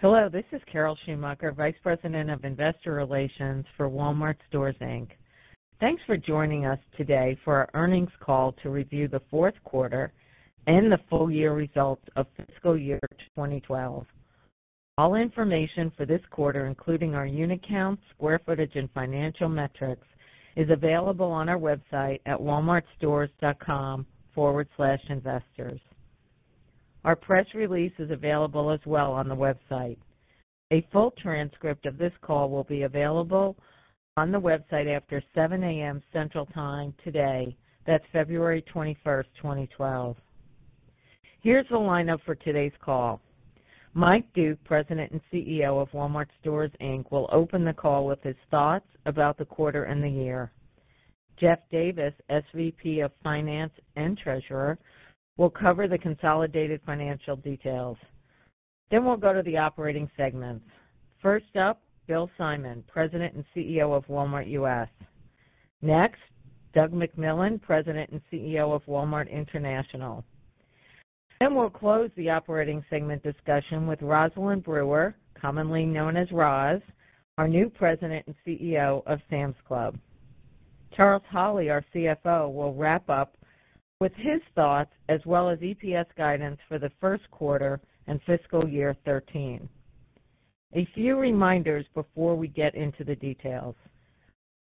Hello, this is Carol Schumacher, Vice President of Investor Relations for Walmart Stores, Inc. Thanks for joining us today for our earnings call to review the fourth quarter and the full-year result of fiscal year 2012. All information for this quarter, including our unit count, square footage, and financial metrics, is available on our website at walmartstores.com/investors. Our press release is available as well on the website. A full transcript of this call will be available on the website after 7:00 A.M. Central Time today. That's February 21st, 2012. Here's the lineup for today's call. Mike Duke, President and CEO of Walmart Stores, Inc., will open the call with his thoughts about the quarter and the year. Jeff Davis, Senior Vice President of Finance and Treasurer, will cover the consolidated financial details. We will go to the operating segments. First up, Bill Simon, President and CEO of Walmart US. Next, Doug McMillon, President and CEO of Walmart International. We will close the operating segment discussion with Rosalind Brewer, commonly known as Roz, our new President and CEO of Sam's Club. Charles Holley, our CFO, will wrap up with his thoughts as well as EPS guidance for the first quarter and fiscal year 2013. A few reminders before we get into the details.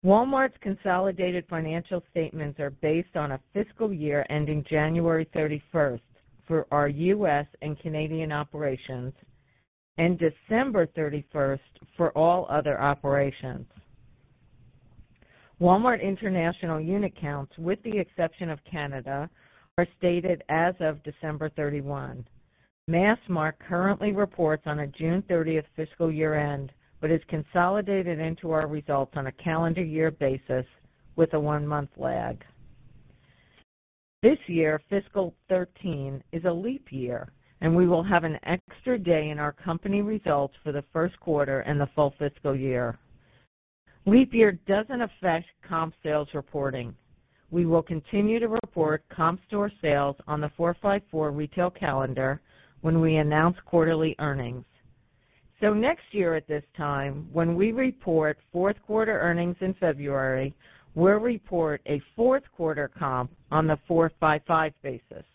Walmart's consolidated financial statements are based on a fiscal year ending January 31st for our US and Canadian operations and December 31st for all other operations. Walmart International unit counts, with the exception of Canada, are stated as of December 31st. Massmart currently reports on a June 30 fiscal year end but is consolidated into our results on a calendar year basis with a one-month lag. This year, fiscal 2013 is a leap year, and we will have an extra day in our company results for the first quarter and the full fiscal year. Leap year doesn't affect comp sales reporting. We will continue to report comp store sales on the 454 retail calendar when we announce quarterly earnings. Next year at this time, when we report fourth quarter earnings in February, we'll report a fourth quarter comp on the 455 basis.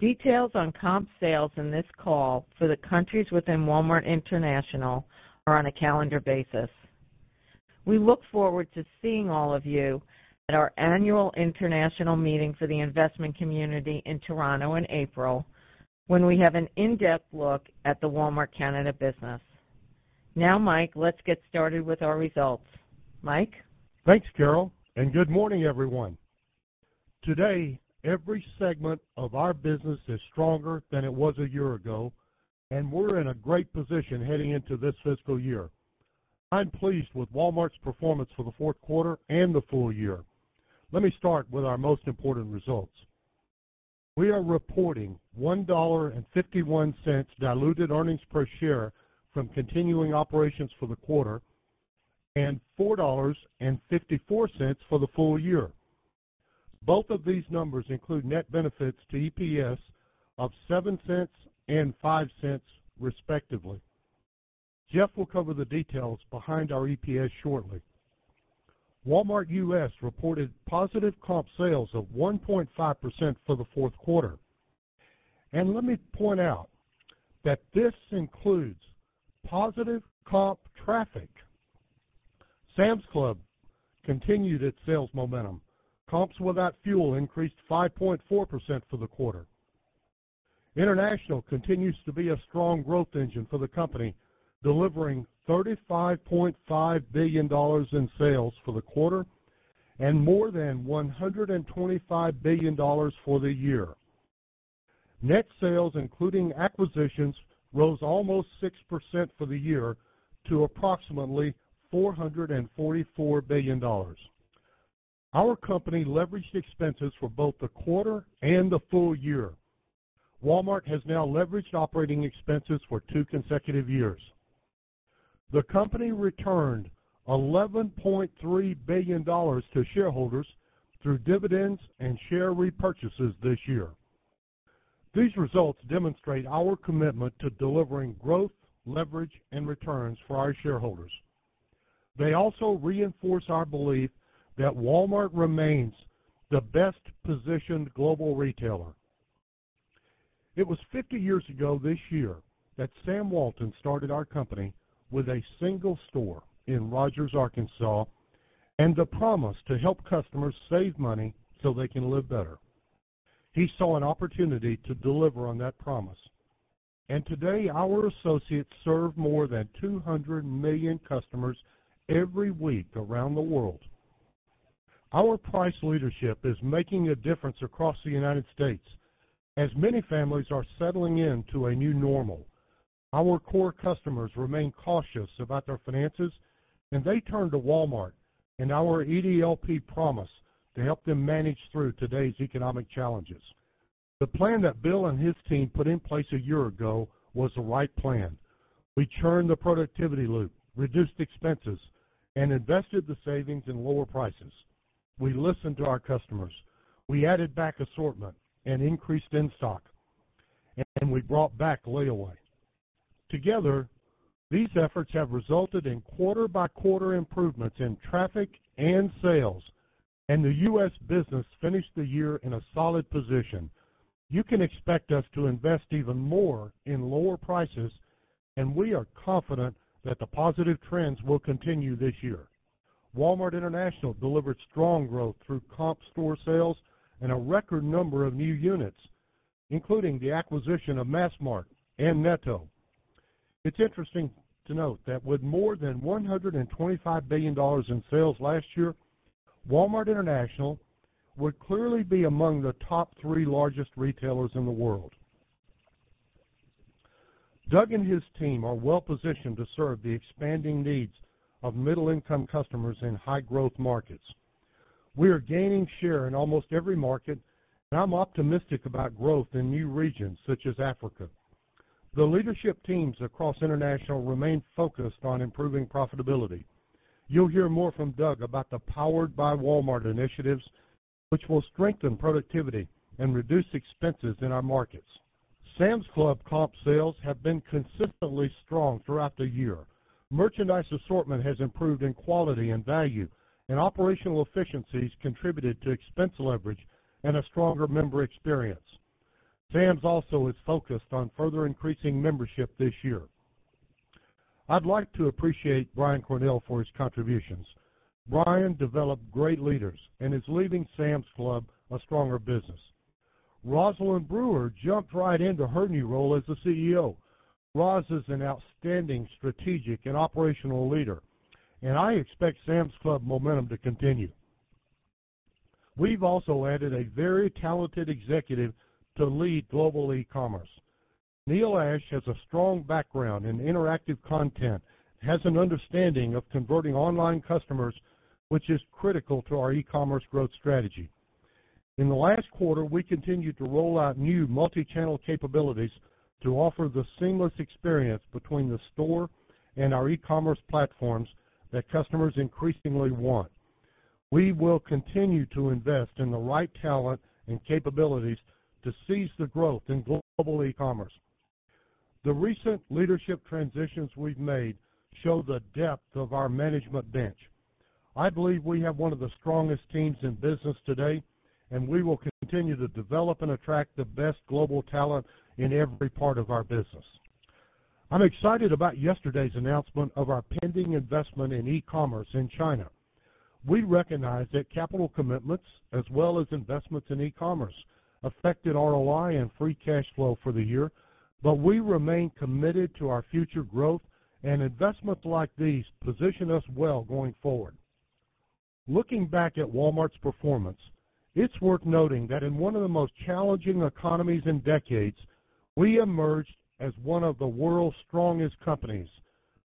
Details on comp sales in this call for the countries within Walmart International are on a calendar basis. We look forward to seeing all of you at our annual international meeting for the investment community in Toronto in April when we have an in-depth look at the Walmart Canada business. Now, Mike, let's get started with our results. Mike? Thanks, Carol, and good morning, everyone. Today, every segment of our business is stronger than it was a year ago, and we're in a great position heading into this fiscal year. I'm pleased with Walmart's performance for the fourth quarter and the full year. Let me start with our most important results. We are reporting $1.51 diluted earnings per share from continuing operations for the quarter and $4.54 for the full year. Both of these numbers include net benefits to EPS of $0.07 and $0.05, respectively. Jeff will cover the details behind our EPS shortly. Walmart US reported positive comp sales of 1.5% for the fourth quarter. Let me point out that this includes positive comp traffic. Sam's Club continued its sales momentum. Comps without fuel increased 5.4% for the quarter. International continues to be a strong growth engine for the company, delivering $35.5 billion in sales for the quarter and more than $125 billion for the year. Net sales, including acquisitions, rose almost 6% for the year to approximately $444 billion. Our company leveraged expenses for both the quarter and the full year. Walmart has now leveraged operating expenses for two consecutive years. The company returned $11.3 billion to shareholders through dividends and share repurchases this year. These results demonstrate our commitment to delivering growth, leverage, and returns for our shareholders. They also reinforce our belief that Walmart remains the best-positioned global retailer. It was 50 years ago this year that Sam Walton started our company with a single store in Rogers, Arkansas, and the promise to help customers save money so they can live better. He saw an opportunity to deliver on that promise. Today, our associates serve more than 200 million customers every week around the world. Our price leadership is making a difference across the United States as many families are settling into a new normal. Our core customers remain cautious about their finances, and they turn to Walmart and our EDLP promise to help them manage through today's economic challenges. The plan that Bill and his team put in place a year ago was the right plan. We churned the productivity loop, reduced expenses, and invested the savings in lower prices. We listened to our customers. We added back assortment and increased in stock, and we brought back layaway. Together, these efforts have resulted in quarter-by-quarter improvements in traffic and sales, and the U.S. business finished the year in a solid position. You can expect us to invest even more in lower prices, and we are confident that the positive trends will continue this year. Walmart International delivered strong growth through comp sales and a record number of new units, including the acquisition of Massmart and Netto. It's interesting to note that with more than $125 billion in sales last year, Walmart International would clearly be among the top three largest retailers in the world. Doug and his team are well-positioned to serve the expanding needs of middle-income customers in high-growth markets. We are gaining share in almost every market, and I'm optimistic about growth in new regions such as Africa. The leadership teams across International remain focused on improving profitability. You'll hear more from Doug about the Powered by Walmart initiatives, which will strengthen productivity and reduce expenses in our markets. Sam's Club comp sales have been consistently strong throughout the year. Merchandise assortment has improved in quality and value, and operational efficiencies contributed to expense leverage and a stronger member experience. Sam's also is focused on further increasing membership this year. I'd like to appreciate Brian Cornell for his contributions. Brian developed great leaders and is leaving Sam's Club a stronger business. Rosalind Brewer jumped right into her new role as the CEO. Roz is an outstanding strategic and operational leader, and I expect Sam's Club momentum to continue. We've also added a very talented executive to lead global e-commerce. Neil Ashe has a strong background in interactive content and has an understanding of converting online customers, which is critical to our e-commerce growth strategy. In the last quarter, we continued to roll out new multichannel capabilities to offer the seamless experience between the store and our e-commerce platforms that customers increasingly want. We will continue to invest in the right talent and capabilities to seize the growth in global e-commerce. The recent leadership transitions we've made show the depth of our management bench. I believe we have one of the strongest teams in business today, and we will continue to develop and attract the best global talent in every part of our business. I'm excited about yesterday's announcement of our pending investment in e-commerce in China. We recognize that capital commitments, as well as investments in e-commerce, affected ROI and free cash flow for the year, but we remain committed to our future growth, and investments like these position us well going forward. Looking back at Walmart's performance, it's worth noting that in one of the most challenging economies in decades, we emerged as one of the world's strongest companies.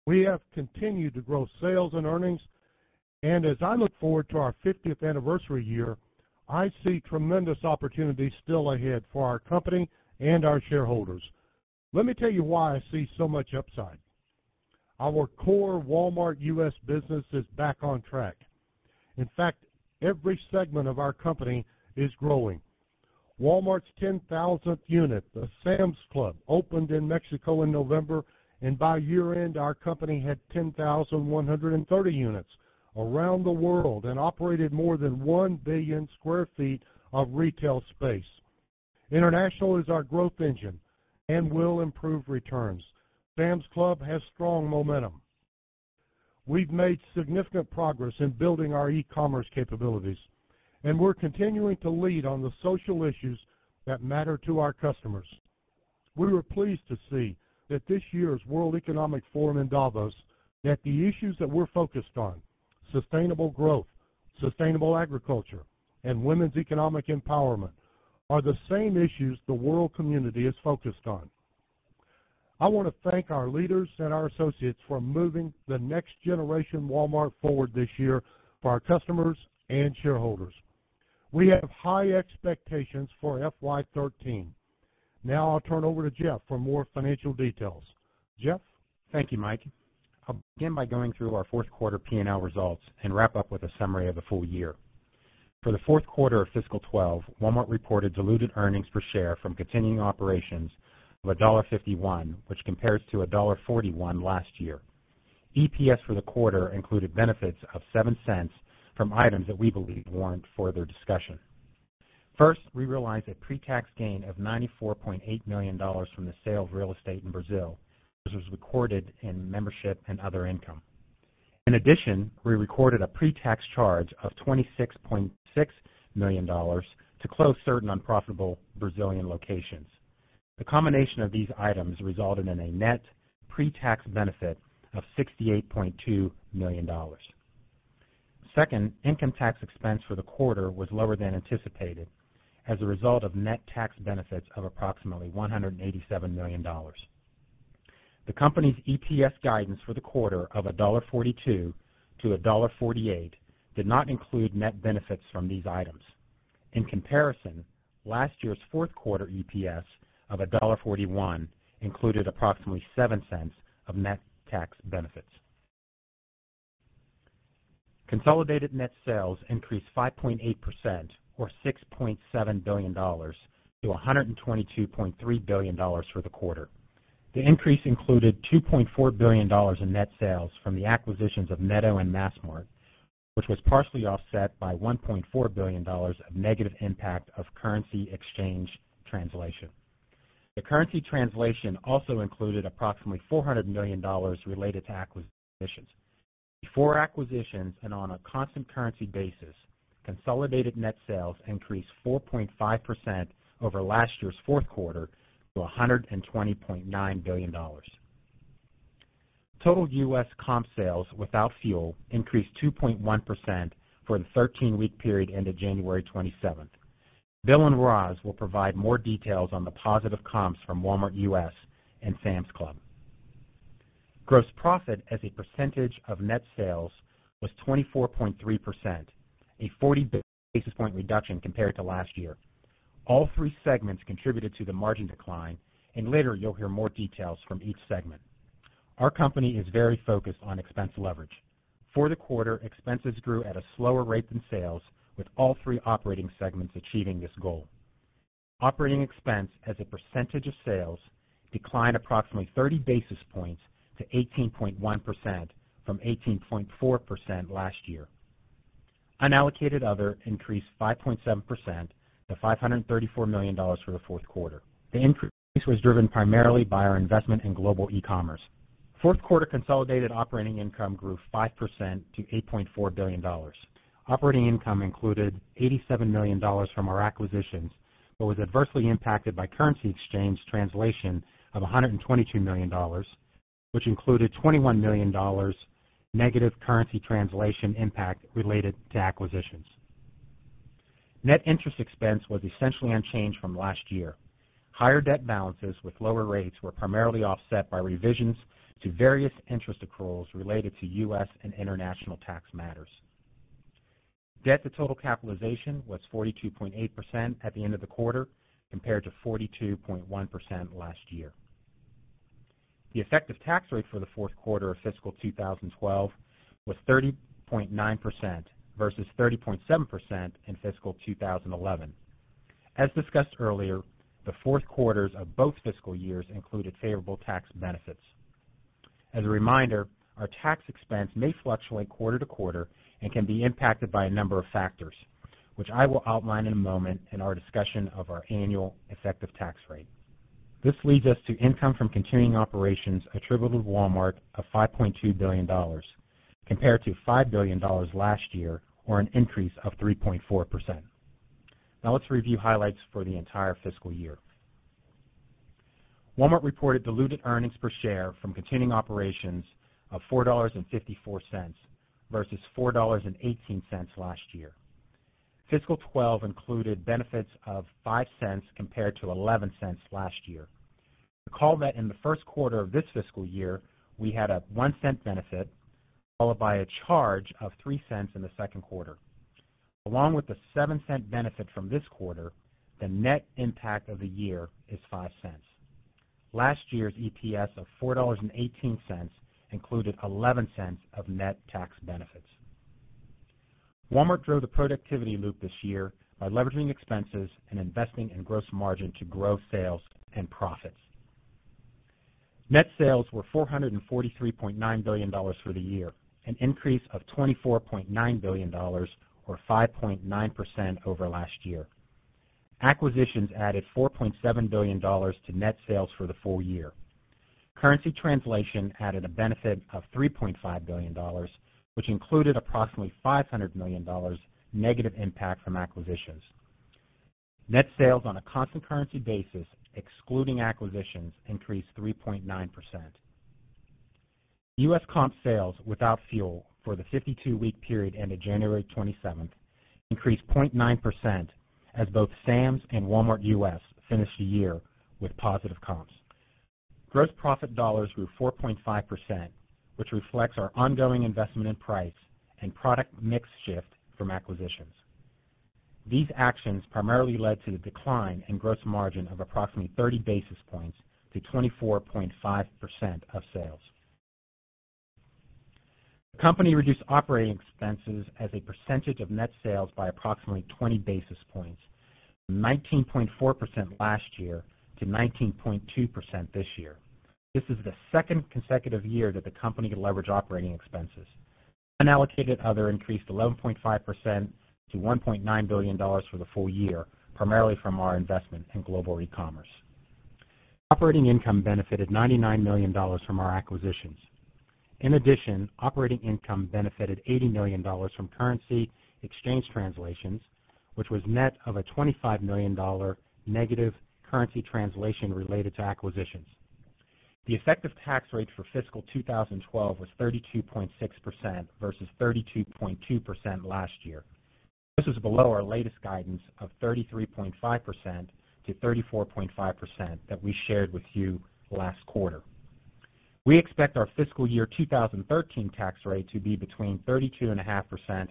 We have continued to grow sales and earnings, and as I look forward to our 50th anniversary year, I see tremendous opportunities still ahead for our company and our shareholders. Let me tell you why I see so much upside. Our core Walmart US business is back on track. In fact, every segment of our company is growing. Walmart's 10,000th unit, the Sam's Club, opened in Mexico in November, and by year-end, our company had 10,130 units around the world and operated more than 1 billion sq ft of retail space. International is our growth engine and will improve returns. Sam's Club has strong momentum. We've made significant progress in building our e-commerce capabilities, and we're continuing to lead on the social issues that matter to our customers. We were pleased to see that this year's World Economic Forum in Davos that the issues that we're focused on—sustainable growth, sustainable agriculture, and women's economic empowerment—are the same issues the world community is focused on. I want to thank our leaders and our associates for moving the next-generation Walmart forward this year for our customers and shareholders. We have high expectations for FY 2013. Now, I'll turn over to Jeff for more financial details. Jeff? Thank you, Mike. I'll begin by going through our fourth quarter P&L results and wrap up with a summary of the full year. For the fourth quarter of fiscal 2012, Walmart reported diluted earnings per share from continuing operations of $1.51, which compares to $1.41 last year. EPS for the quarter included benefits of $0.07 from items that we believe warrant further discussion. First, we realized a pre-tax gain of $94.8 million from the sale of real estate in Brazil, which was recorded in membership and other income. In addition, we recorded a pre-tax charge of $26.6 million to close certain unprofitable Brazilian locations. The combination of these items resulted in a net pre-tax benefit of $68.2 million. Second, income tax expense for the quarter was lower than anticipated as a result of net tax benefits of approximately $187 million. The company's EPS guidance for the quarter of $1.42-$1.48 did not include net benefits from these items. In comparison, last year's fourth quarter EPS of $1.41 included approximately $0.07 of net tax benefits. Consolidated net sales increased 5.8%, or $6.7 billion-$122.3 billion for the quarter. The increase included $2.4 billion in net sales from the acquisitions of Netto and Massmart, which was partially offset by $1.4 billion of negative impact of currency exchange translation. The currency translation also included approximately $400 million related to acquisitions. Before acquisitions and on a constant currency basis, consolidated net sales increased 4.5% over last year's fourth quarter to $120.9 billion. Total U.S. comp sales without fuel increased 2.1% for the 13-week period ended January 27th. Bill and Roz will provide more details on the positive comps from Walmart US and Sam's Club. Gross profit as a percentage of net sales was 24.3%, a 40 basis point reduction compared to last year. All three segments contributed to the margin decline, and later you'll hear more details from each segment. Our company is very focused on expense leverage. For the quarter, expenses grew at a slower rate than sales, with all three operating segments achieving this goal. Operating expense as a percentage of sales declined approximately 30 basis points to 18.1% from 18.4% last year. Unallocated other increased 5.7% to $534 million for the fourth quarter. The increase was driven primarily by our investment in global e-commerce. Fourth quarter consolidated operating income grew 5% to $8.4 billion. Operating income included $87 million from our acquisitions but was adversely impacted by currency exchange translation of $122 million, which included $21 million negative currency translation impact related to acquisitions. Net interest expense was essentially unchanged from last year. Higher debt balances with lower rates were primarily offset by revisions to various interest accruals related to U.S. and international tax matters. Debt to total capitalization was 42.8% at the end of the quarter compared to 42.1% last year. The effective tax rate for the fourth quarter of fiscal 2012 was 30.9% versus 30.7% in fiscal 2011. As discussed earlier, the fourth quarters of both fiscal years included favorable tax benefits. As a reminder, our tax expense may fluctuate quarter to quarter and can be impacted by a number of factors, which I will outline in a moment in our discussion of our annual effective tax rate. This leads us to income from continuing operations attributable to Walmart of $5.2 billion compared to $5 billion last year, or an increase of 3.4%. Now let's review highlights for the entire fiscal year. Walmart reported diluted earnings per share from continuing operations of $4.54 versus $4.18 last year. Fiscal 2012 included benefits of $0.05 compared to $0.11 last year. Recall that in the first quarter of this fiscal year, we had a $0.01 benefit followed by a charge of $0.03 in the second quarter. Along with the $0.07 benefit from this quarter, the net impact of the year is $0.05. Last year's EPS of $4.18 included $0.11 of net tax benefits. Walmart drove the productivity loop this year by leveraging expenses and investing in gross margin to grow sales and profits. Net sales were $443.9 billion for the year, an increase of $24.9 billion, or 5.9% over last year. Acquisitions added $4.7 billion to net sales for the full year. Currency translation added a benefit of $3.5 billion, which included approximately $500 million negative impact from acquisitions. Net sales on a constant currency basis, excluding acquisitions, increased 3.9%. U.S. comp sales without fuel for the 52-week period ended January 27th increased 0.9% as both Sam's Club and Walmart US finished the year with positive comps. Gross profit dollars grew 4.5%, which reflects our ongoing investment in price and product mix shift from acquisitions. These actions primarily led to the decline in gross margin of approximately 30 basis points to 24.5% of sales. The company reduced operating expenses as a percentage of net sales by approximately 20 basis points, 19.4% last year to 19.2% this year. This is the second consecutive year that the company leveraged operating expenses. Unallocated other increased 11.5% to $1.9 billion for the full year, primarily from our investment in global e-commerce. Operating income benefited $99 million from our acquisitions. In addition, operating income benefited $80 million from currency exchange translations, which was net of a $25 million negative currency translation related to acquisitions. The effective tax rate for fiscal 2012 was 32.6% versus 32.2% last year. This is below our latest guidance of 33.5%-34.5% that we shared with you last quarter. We expect our fiscal year 2013 tax rate to be between 32.5%-33.5%.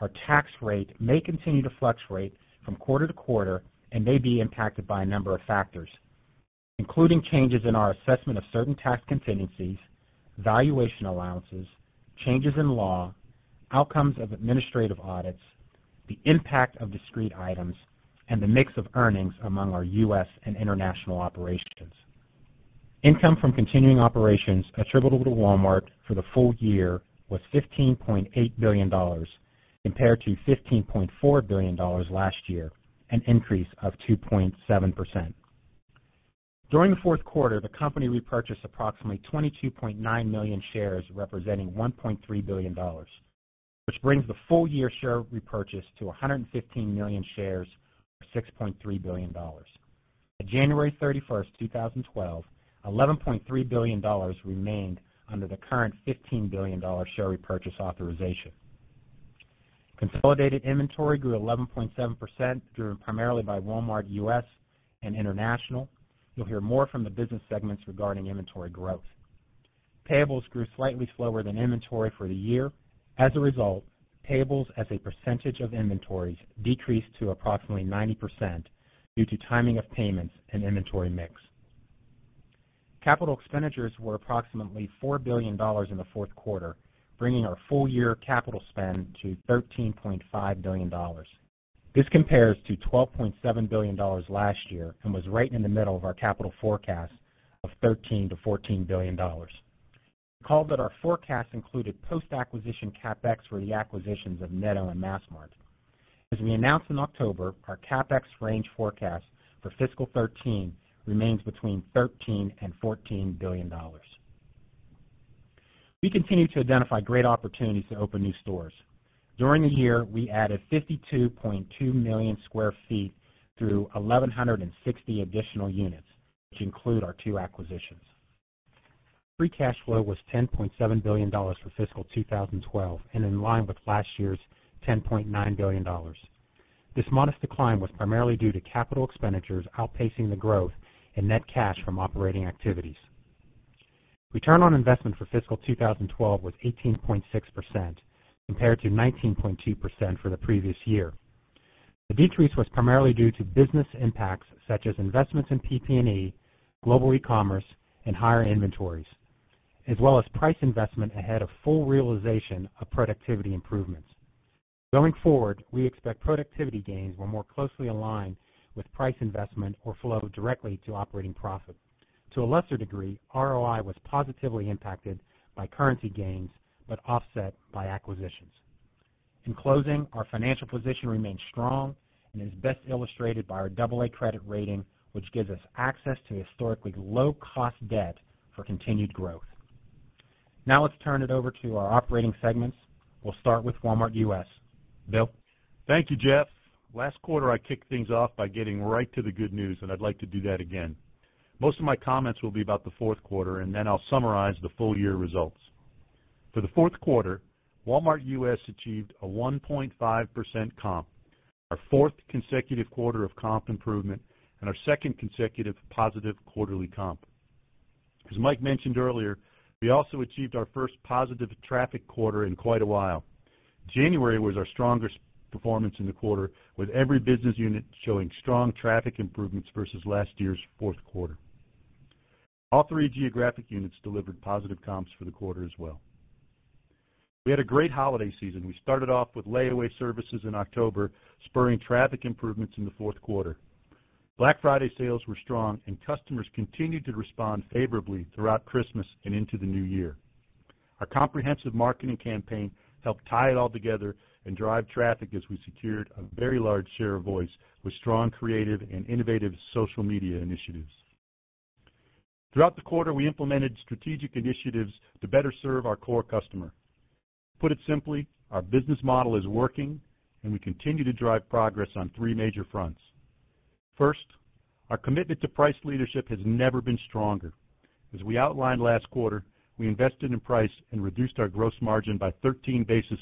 Our tax rate may continue to fluctuate from quarter to quarter and may be impacted by a number of factors, including changes in our assessment of certain tax contingencies, valuation allowances, changes in law, outcomes of administrative audits, the impact of discrete items, and the mix of earnings among our U.S. and international operations. Income from continuing operations attributable to Walmart for the full year was $15.8 billion compared to $15.4 billion last year, an increase of 2.7%. During the fourth quarter, the company repurchased approximately 22.9 million shares, representing $1.3 billion, which brings the full year share repurchase to 115 million shares, or $6.3 billion. On January 31st, 2012, $11.3 billion remained under the current $15 billion share repurchase authorization. Consolidated inventory grew 11.7%, driven primarily by Walmart US and International. You'll hear more from the business segments regarding inventory growth. Payables grew slightly slower than inventory for the year. As a result, payables as a percentage of inventories decreased to approximately 90% due to timing of payments and inventory mix. Capital expenditures were approximately $4 billion in the fourth quarter, bringing our full year capital spend to $13.5 billion. This compares to $12.7 billion last year and was right in the middle of our capital forecast of $13 billion-$14 billion. Recall that our forecast included post-acquisition CapEx for the acquisitions of Netto and Massmart. As we announced in October, our CapEx range forecast for fiscal 2013 remains between $13 billion-$14 billion. We continue to identify great opportunities to open new stores. During the year, we added 52.2 million sq ft through 1,160 additional units, which include our two acquisitions. Free cash flow was $10.7 billion for fiscal 2012 and in line with last year's $10.9 billion. This modest decline was primarily due to capital expenditures outpacing the growth in net cash from operating activities. Return on investment for fiscal 2012 was 18.6% compared to 19.2% for the previous year. The decrease was primarily due to business impacts such as investments in PP&E, global e-commerce, and higher inventories, as well as price investment ahead of full realization of productivity improvements. Going forward, we expect productivity gains were more closely aligned with price investment or flow directly to operating profit. To a lesser degree, ROI was positively impacted by currency gains but offset by acquisitions. In closing, our financial position remains strong and is best illustrated by our AA credit rating, which gives us access to historically low-cost debt for continued growth. Now let's turn it over to our operating segments. We'll start with Walmart US. Bill. Thank you, Jeff. Last quarter, I kicked things off by getting right to the good news, and I'd like to do that again. Most of my comments will be about the fourth quarter, and then I'll summarize the full year results. For the fourth quarter, Walmart US achieved a 1.5% comp, our fourth consecutive quarter of comp improvement, and our second consecutive positive quarterly comp. As Mike mentioned earlier, we also achieved our first positive traffic quarter in quite a while. January was our strongest performance in the quarter, with every business unit showing strong traffic improvements versus last year's fourth quarter. All three geographic units delivered positive comps for the quarter as well. We had a great holiday season. We started off with layaway services in October, spurring traffic improvements in the fourth quarter. Black Friday sales were strong, and customers continued to respond favorably throughout Christmas and into the new year. Our comprehensive marketing campaign helped tie it all together and drive traffic as we secured a very large share of voice with strong, creative, and innovative social media initiatives. Throughout the quarter, we implemented strategic initiatives to better serve our core customer. To put it simply, our business model is working, and we continue to drive progress on three major fronts. First, our commitment to price leadership has never been stronger. As we outlined last quarter, we invested in price and reduced our gross margin by 13 basis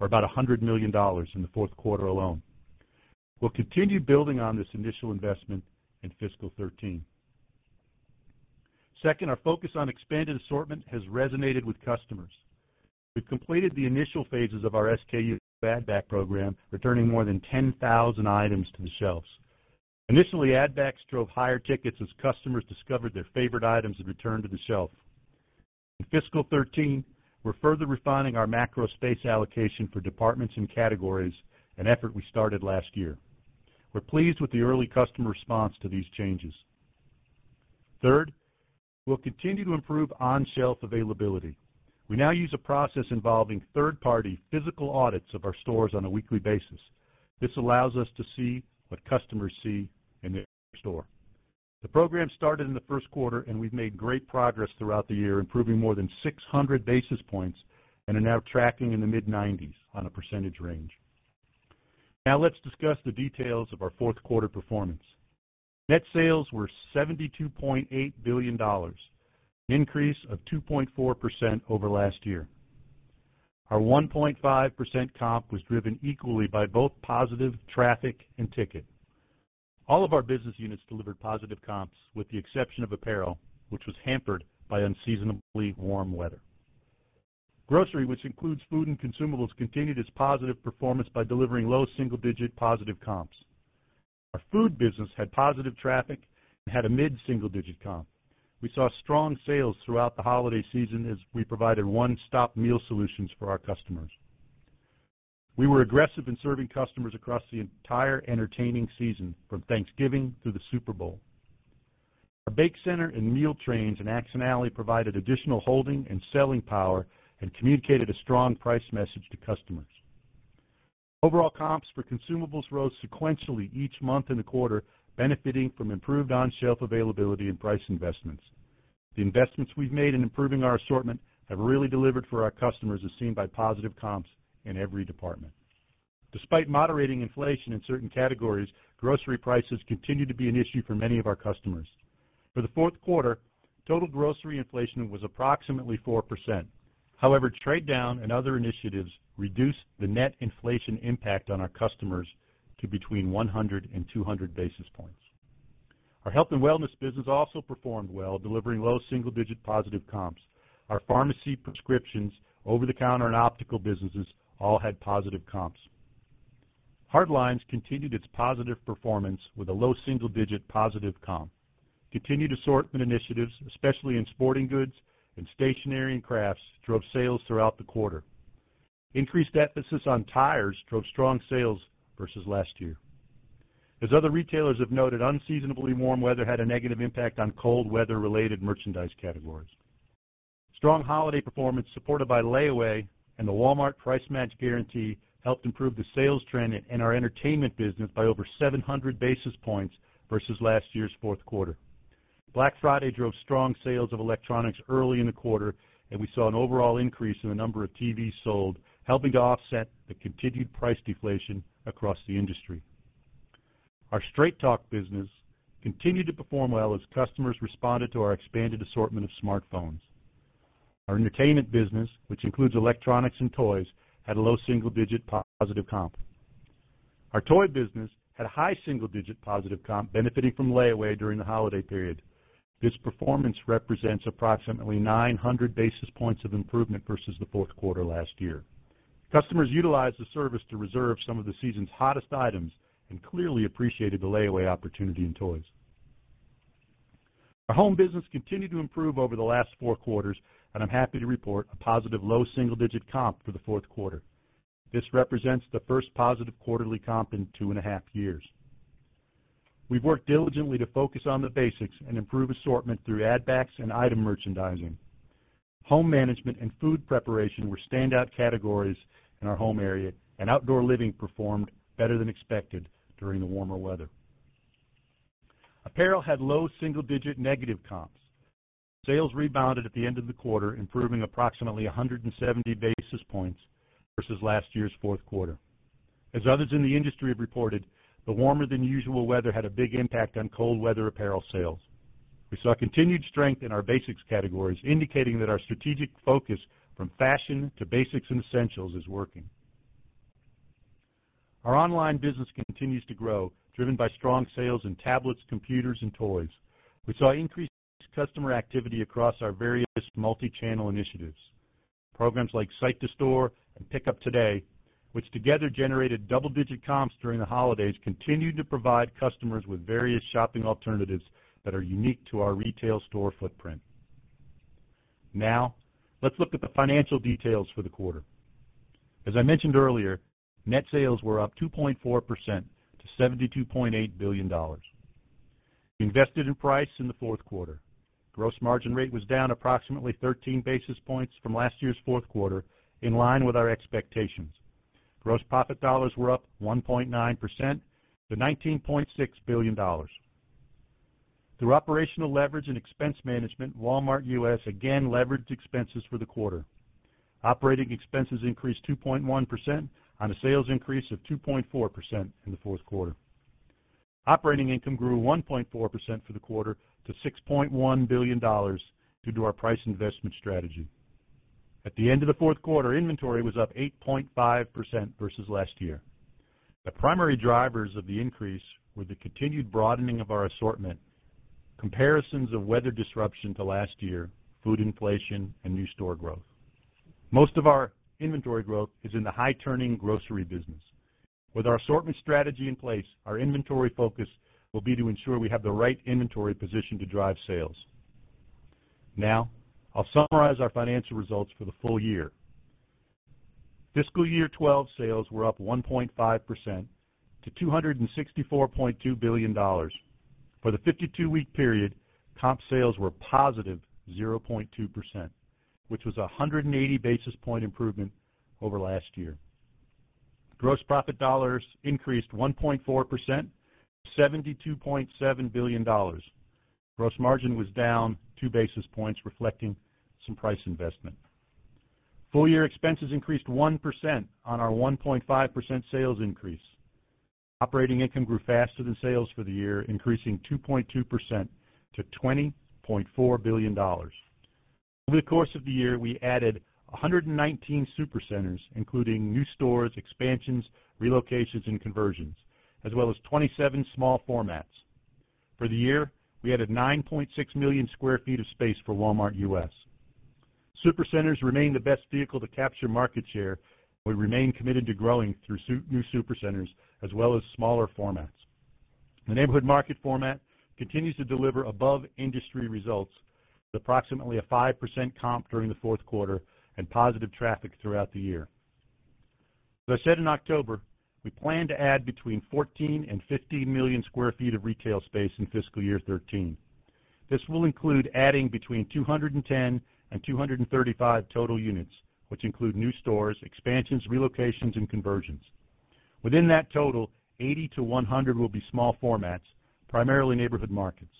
points, or about $100 million in the fourth quarter alone. We'll continue building on this initial investment in fiscal 2013. Second, our focus on expanded assortment has resonated with customers. We've completed the initial phases of our SKU add-back program, returning more than 10,000 items to the shelves. Initially, add-backs drove higher tickets as customers discovered their favorite items had returned to the shelf. In fiscal 2013, we're further refining our macro space allocation for departments and categories, an effort we started last year. We're pleased with the early customer response to these changes. Third, we'll continue to improve on-shelf availability. We now use a process involving third-party physical audits of our stores on a weekly basis. This allows us to see what customers see in their store. The program started in the first quarter, and we've made great progress throughout the year, improving more than 600 basis points and are now tracking in the mid-90s on a percentage range. Now let's discuss the details of our fourth quarter performance. Net sales were $72.8 billion, an increase of 2.4% over last year. Our 1.5% comp was driven equally by both positive traffic and ticket. All of our business units delivered positive comps, with the exception of apparel, which was hampered by unseasonably warm weather. Grocery, which includes food and consumables, continued its positive performance by delivering low single-digit positive comps. Our food business had positive traffic and had a mid-single-digit comp. We saw strong sales throughout the holiday season as we provided one-stop meal solutions for our customers. We were aggressive in serving customers across the entire entertaining season, from Thanksgiving through the Super Bowl. Our bake center and meal trains in action alley provided additional holding and selling power and communicated a strong price message to customers. Overall comps for consumables rose sequentially each month in the quarter, benefiting from improved on-shelf availability and price investments. The investments we've made in improving our assortment have really delivered for our customers, as seen by positive comps in every department. Despite moderating inflation in certain categories, grocery prices continue to be an issue for many of our customers. For the fourth quarter, total grocery inflation was approximately 4%. However, trade down and other initiatives reduced the net inflation impact on our customers to between 100-200 basis points. Our health and wellness business also performed well, delivering low single-digit positive comps. Our pharmacy, prescriptions, over-the-counter, and optical businesses all had positive comps. Hardlines continued its positive performance with a low single-digit positive comp. Continued assortment initiatives, especially in sporting goods and stationery and crafts, drove sales throughout the quarter. Increased emphasis on tires drove strong sales versus last year. As other retailers have noted, unseasonably warm weather had a negative impact on cold weather-related merchandise categories. Strong holiday performance supported by layaway and the Walmart price match guarantee helped improve the sales trend in our entertainment business by over 700 basis points versus last year's fourth quarter. Black Friday drove strong sales of electronics early in the quarter, and we saw an overall increase in the number of TVs sold, helping to offset the continued price deflation across the industry. Our Straight Talk business continued to perform well as customers responded to our expanded assortment of smartphones. Our entertainment business, which includes electronics and toys, had a low single-digit positive comp. Our toy business had a high single-digit positive comp, benefiting from layaway during the holiday period. This performance represents approximately 900 basis points of improvement versus the fourth quarter last year. Customers utilized the service to reserve some of the season's hottest items and clearly appreciated the layaway opportunity in toys. Our home business continued to improve over the last four quarters, and I'm happy to report a positive low single-digit comp for the fourth quarter. This represents the first positive quarterly comp in 2.5 years. We've worked diligently to focus on the basics and improve assortment through add-backs and item merchandising. Home management and food preparation were standout categories in our home area, and outdoor living performed better than expected during the warmer weather. Apparel had low single-digit negative comps. Sales rebounded at the end of the quarter, improving approximately 170 basis points versus last year's fourth quarter. As others in the industry have reported, the warmer-than-usual weather had a big impact on cold weather apparel sales. We saw continued strength in our basics categories, indicating that our strategic focus from fashion to basics and essentials is working. Our online business continues to grow, driven by strong sales in tablets, computers, and toys. We saw increased customer activity across our various multichannel initiatives. Programs like Site to Store and Pickup Today, which together generated double-digit comps during the holidays, continue to provide customers with various shopping alternatives that are unique to our retail store footprint. Now, let's look at the financial details for the quarter. As I mentioned earlier, net sales were up 2.4% to $72.8 billion. We invested in price in the fourth quarter. Gross margin rate was down approximately 13 basis points from last year's fourth quarter, in line with our expectations. Gross profit dollars were up 1.9% to $19.6 billion. Through operational leverage and expense management, Walmart US again leveraged expenses for the quarter. Operating expenses increased 2.1% on a sales increase of 2.4% in the fourth quarter. Operating income grew 1.4% for the quarter to $6.1 billion due to our price investment strategy. At the end of the fourth quarter, inventory was up 8.5% versus last year. The primary drivers of the increase were the continued broadening of our assortment, comparisons of weather disruption to last year, food inflation, and new store growth. Most of our inventory growth is in the high-turning grocery business. With our assortment strategy in place, our inventory focus will be to ensure we have the right inventory position to drive sales. Now, I'll summarize our financial results for the full year. Fiscal year 2012 sales were up 1.5% to $264.2 billion. For the 52-week period, comp sales were +0.2%, which was a 180 basis point improvement over last year. Gross profit dollars increased 1.4% to $72.7 billion. Gross margin was down two basis points, reflecting some price investment. Full year expenses increased 1% on our 1.5% sales increase. Operating income grew faster than sales for the year, increasing 2.2% to $20.4 billion. Over the course of the year, we added 119 supercenters, including new stores, expansions, relocations, and conversions, as well as 27 small formats. For the year, we added 9.6 million sq ft of space for Walmart US Supercenters remain the best vehicle to capture market share, but we remain committed to growing through new supercenters as well as smaller formats. The Neighborhood Market format continues to deliver above industry results with approximately a 5% comp during the fourth quarter and positive traffic throughout the year. As I said in October, we plan to add between 14 million-15 million sq ft of retail space in fiscal year 2013. This will include adding between 210-235 total units, which include new stores, expansions, relocations, and conversions. Within that total, 80-100 will be small formats, primarily Neighborhood Markets.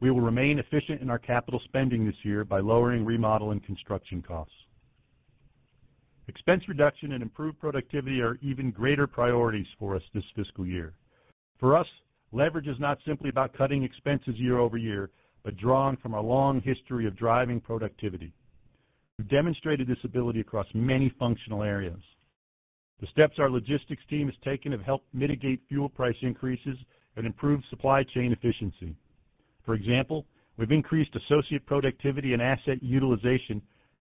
We will remain efficient in our capital spending this year by lowering remodel and construction costs. Expense reduction and improved productivity are even greater priorities for us this fiscal year. For us, leverage is not simply about cutting expenses year-over-year but drawing from our long history of driving productivity. We've demonstrated this ability across many functional areas. The steps our logistics team has taken have helped mitigate fuel price increases and improved supply chain efficiency. For example, we've increased associate productivity and asset utilization,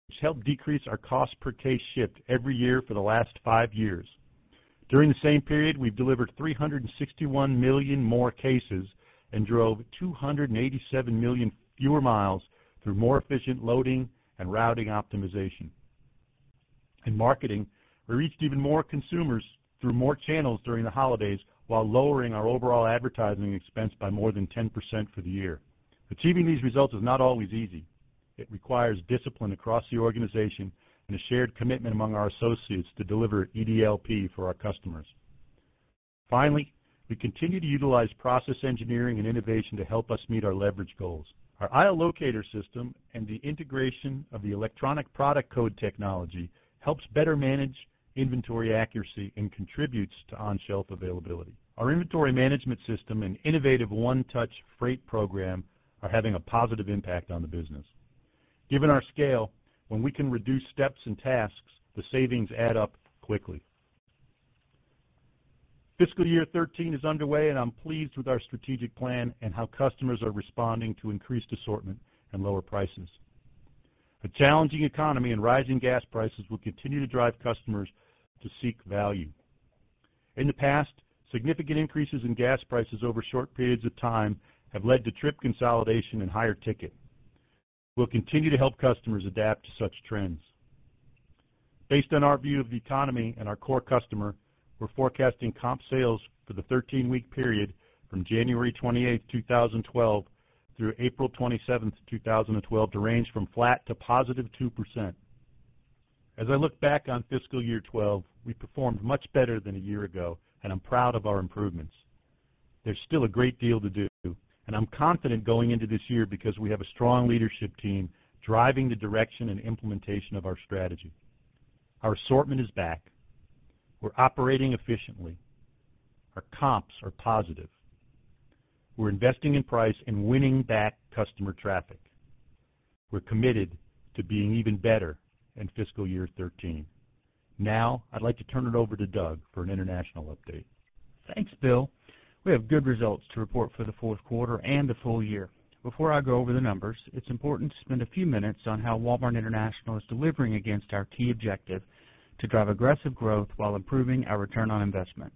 which helped decrease our cost per case shipped every year for the last five years. During the same period, we've delivered 361 million more cases and drove 287 million fewer miles through more efficient loading and routing optimization. In marketing, we reached even more consumers through more channels during the holidays while lowering our overall advertising expense by more than 10% for the year. Achieving these results is not always easy. It requires discipline across the organization and a shared commitment among our associates to deliver EDLP for our customers. Finally, we continue to utilize process engineering and innovation to help us meet our leverage goals. Our ILLocator system and the integration of the electronic product code technology help better manage inventory accuracy and contribute to on-shelf availability. Our inventory management system and innovative one-touch freight program are having a positive impact on the business. Given our scale, when we can reduce steps and tasks, the savings add up quickly. Fiscal year 2013 is underway, and I'm pleased with our strategic plan and how customers are responding to increased assortment and lower prices. A challenging economy and rising gas prices will continue to drive customers to seek value. In the past, significant increases in gas prices over short periods of time have led to trip consolidation and higher ticket. We'll continue to help customers adapt to such trends. Based on our view of the economy and our core customer, we're forecasting comp sales for the 13-week period from January 28, 2012, through April 27, 2012, to range from flat to +2%. As I look back on fiscal year 2012, we performed much better than a year ago, and I'm proud of our improvements. There's still a great deal to do, and I'm confident going into this year because we have a strong leadership team driving the direction and implementation of our strategy. Our assortment is back. We're operating efficiently. Our comps are positive. We're investing in price and winning back customer traffic. We're committed to being even better in fiscal year 2013. Now, I'd like to turn it over to Doug for an international update. Thanks, Bill. We have good results to report for the fourth quarter and the full year. Before I go over the numbers, it's important to spend a few minutes on how Walmart International is delivering against our key objective to drive aggressive growth while improving our return on investment.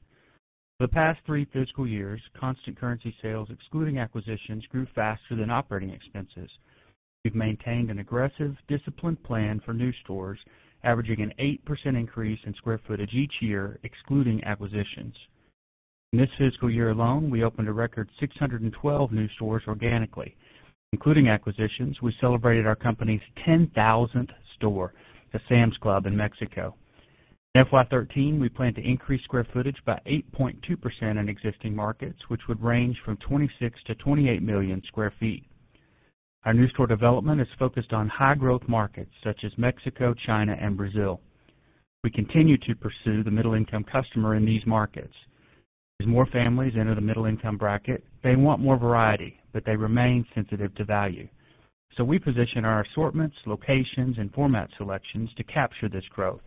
For the past three fiscal years, constant currency sales, excluding acquisitions, grew faster than operating expenses. We've maintained an aggressive, disciplined plan for new stores, averaging an 8% increase in square footage each year, excluding acquisitions. In this fiscal year alone, we opened a record 612 new stores organically. Including acquisitions, we celebrated our company's 10,000th store, the Sam's Club in Mexico. In FY 2013, we plan to increase square footage by 8.2% in existing markets, which would range from 26 million-28 million sq ft. Our new store development is focused on high-growth markets such as Mexico, China, and Brazil. We continue to pursue the middle-income customer in these markets. As more families enter the middle-income bracket, they want more variety, but they remain sensitive to value. We position our assortments, locations, and format selections to capture this growth.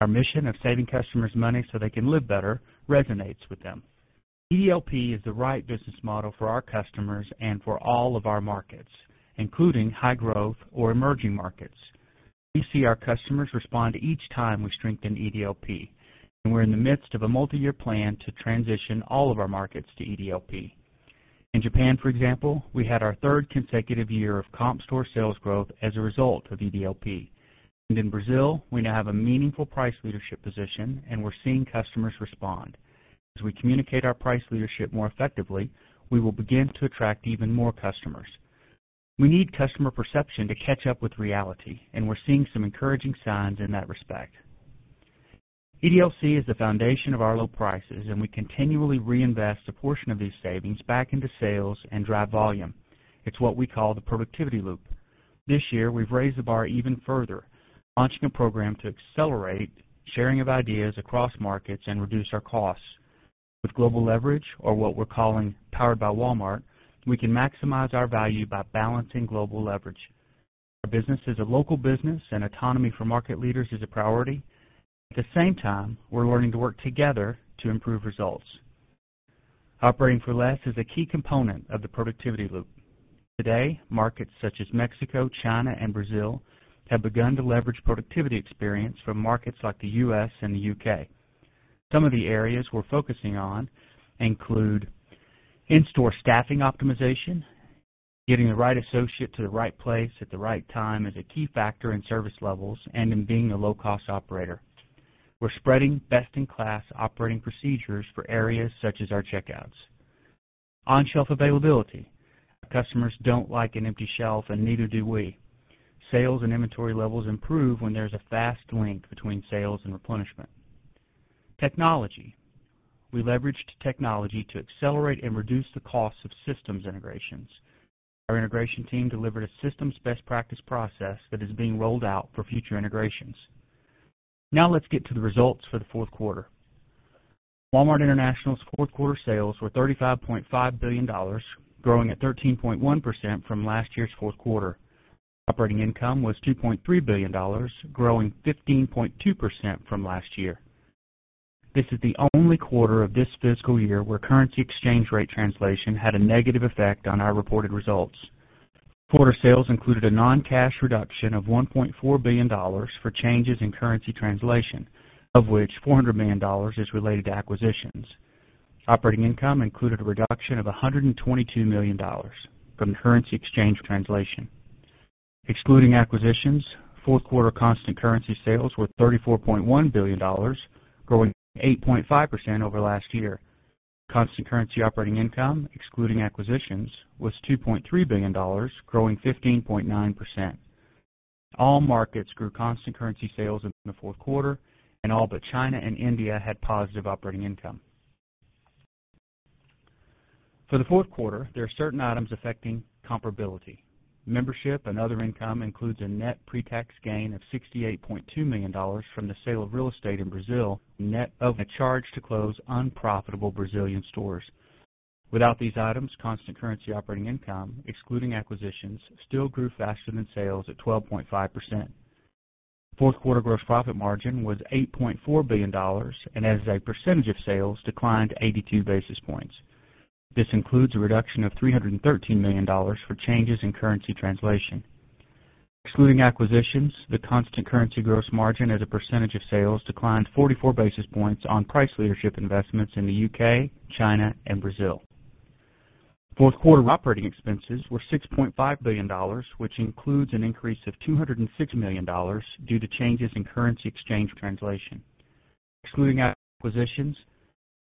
Our mission of saving customers money so they can live better resonates with them. EDLP is the right business model for our customers and for all of our markets, including high-growth or emerging markets. We see our customers respond each time we strengthen EDLP, and we're in the midst of a multi-year plan to transition all of our markets to EDLP. In Japan, for example, we had our third consecutive year of comp sales growth as a result of EDLP. In Brazil, we now have a meaningful price leadership position, and we're seeing customers respond. As we communicate our price leadership more effectively, we will begin to attract even more customers. We need customer perception to catch up with reality, and we're seeing some encouraging signs in that respect. EDLP is the foundation of our low prices, and we continually reinvest a portion of these savings back into sales and drive volume. It's what we call the productivity loop. This year, we've raised the bar even further, launching a program to accelerate sharing of ideas across markets and reduce our costs. With global leverage, or what we're calling Powered by Walmart, we can maximize our value by balancing global leverage. Our business is a local business, and autonomy for market leaders is a priority. At the same time, we're learning to work together to improve results. Operating for less is a key component of the productivity loop. Today, markets such as Mexico, China, and Brazil have begun to leverage productivity experience from markets like the U.S. and the U.K. Some of the areas we're focusing on include in-store staffing optimization. Getting the right associate to the right place at the right time is a key factor in service levels and in being a low-cost operator. We're spreading best-in-class operating procedures for areas such as our checkouts. On-shelf availability. Customers don't like an empty shelf, and neither do we. Sales and inventory levels improve when there's a fast link between sales and replenishment. Technology. We leveraged technology to accelerate and reduce the costs of systems integrations. Our integration team delivered a systems best practice process that is being rolled out for future integrations. Now let's get to the results for the fourth quarter. Walmart International's fourth quarter sales were $35.5 billion, growing at 13.1% from last year's fourth quarter. Operating income was $2.3 billion, growing 15.2% from last year. This is the only quarter of this fiscal year where currency exchange rate translation had a negative effect on our reported results. Quarter sales included a non-cash reduction of $1.4 billion for changes in currency translation, of which $400 million is related to acquisitions. Operating income included a reduction of $122 million from the currency exchange translation. Excluding acquisitions, fourth quarter constant currency sales were $34.1 billion, growing 8.5% over last year. Constant currency operating income, excluding acquisitions, was $2.3 billion, growing 15.9%. All markets grew constant currency sales in the fourth quarter, and all but China and India had positive operating income. For the fourth quarter, there are certain items affecting comparability. Membership and other income includes a net pre-tax gain of $68.2 million from the sale of real estate in Brazil, net of a charge to close unprofitable Brazilian stores. Without these items, constant currency operating income, excluding acquisitions, still grew faster than sales at 12.5%. Fourth quarter gross profit margin was $8.4 billion, and as a percentage of sales, declined 82 basis points. This includes a reduction of $313 million for changes in currency translation. Including acquisitions, the constant currency gross margin as a percentage of sales declined 44 basis points on price leadership investments in the U.K., China, and Brazil. Fourth quarter operating expenses were $6.5 billion, which includes an increase of $206 million due to changes in currency exchange translation. Excluding acquisitions,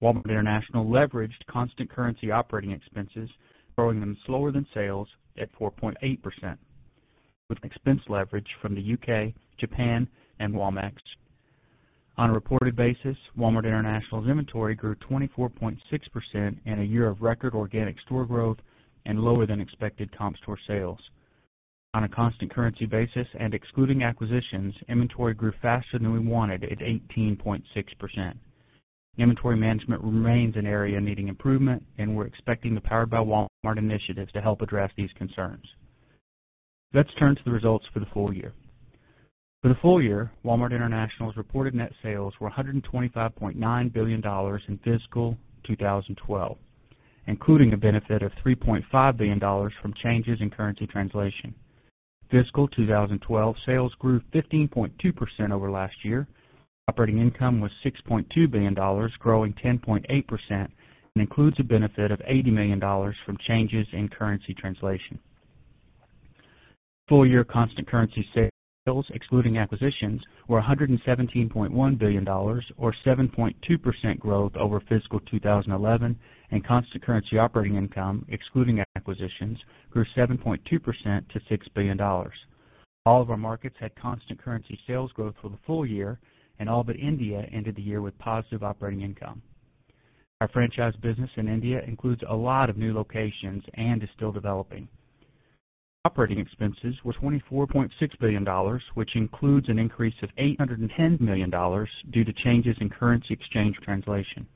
Walmart International leveraged constant currency operating expenses, growing slower than sales at 4.8%, with expense leverage from the U.K., Japan, and Walmart. On a reported basis, Walmart International's inventory grew 24.6% in a year of record organic store growth and lower than expected comp store sales. On a constant currency basis and excluding acquisitions, inventory grew faster than we wanted at 18.6%. Inventory management remains an area needing improvement, and we're expecting the Powered by Walmart initiatives to help address these concerns. Let's turn to the results for the full year. For the full year, Walmart International's reported net sales were $125.9 billion in fiscal 2012, including a benefit of $3.5 billion from changes in currency translation. Fiscal 2012 sales grew 15.2% over last year. Operating income was $6.2 billion, growing 10.8%, and includes a benefit of $80 million from changes in currency translation. Full year constant currency sales, excluding acquisitions, were $117.1 billion, or 7.2% growth over fiscal 2011, and constant currency operating income, excluding acquisitions, grew 7.2% to $6 billion. All of our markets had constant currency sales growth for the full year, and all but India ended the year with positive operating income. Our franchise business in India includes a lot of new locations and is still developing. Operating expenses were $24.6 billion, which includes an increase of $810 million due to changes in currency exchange translation.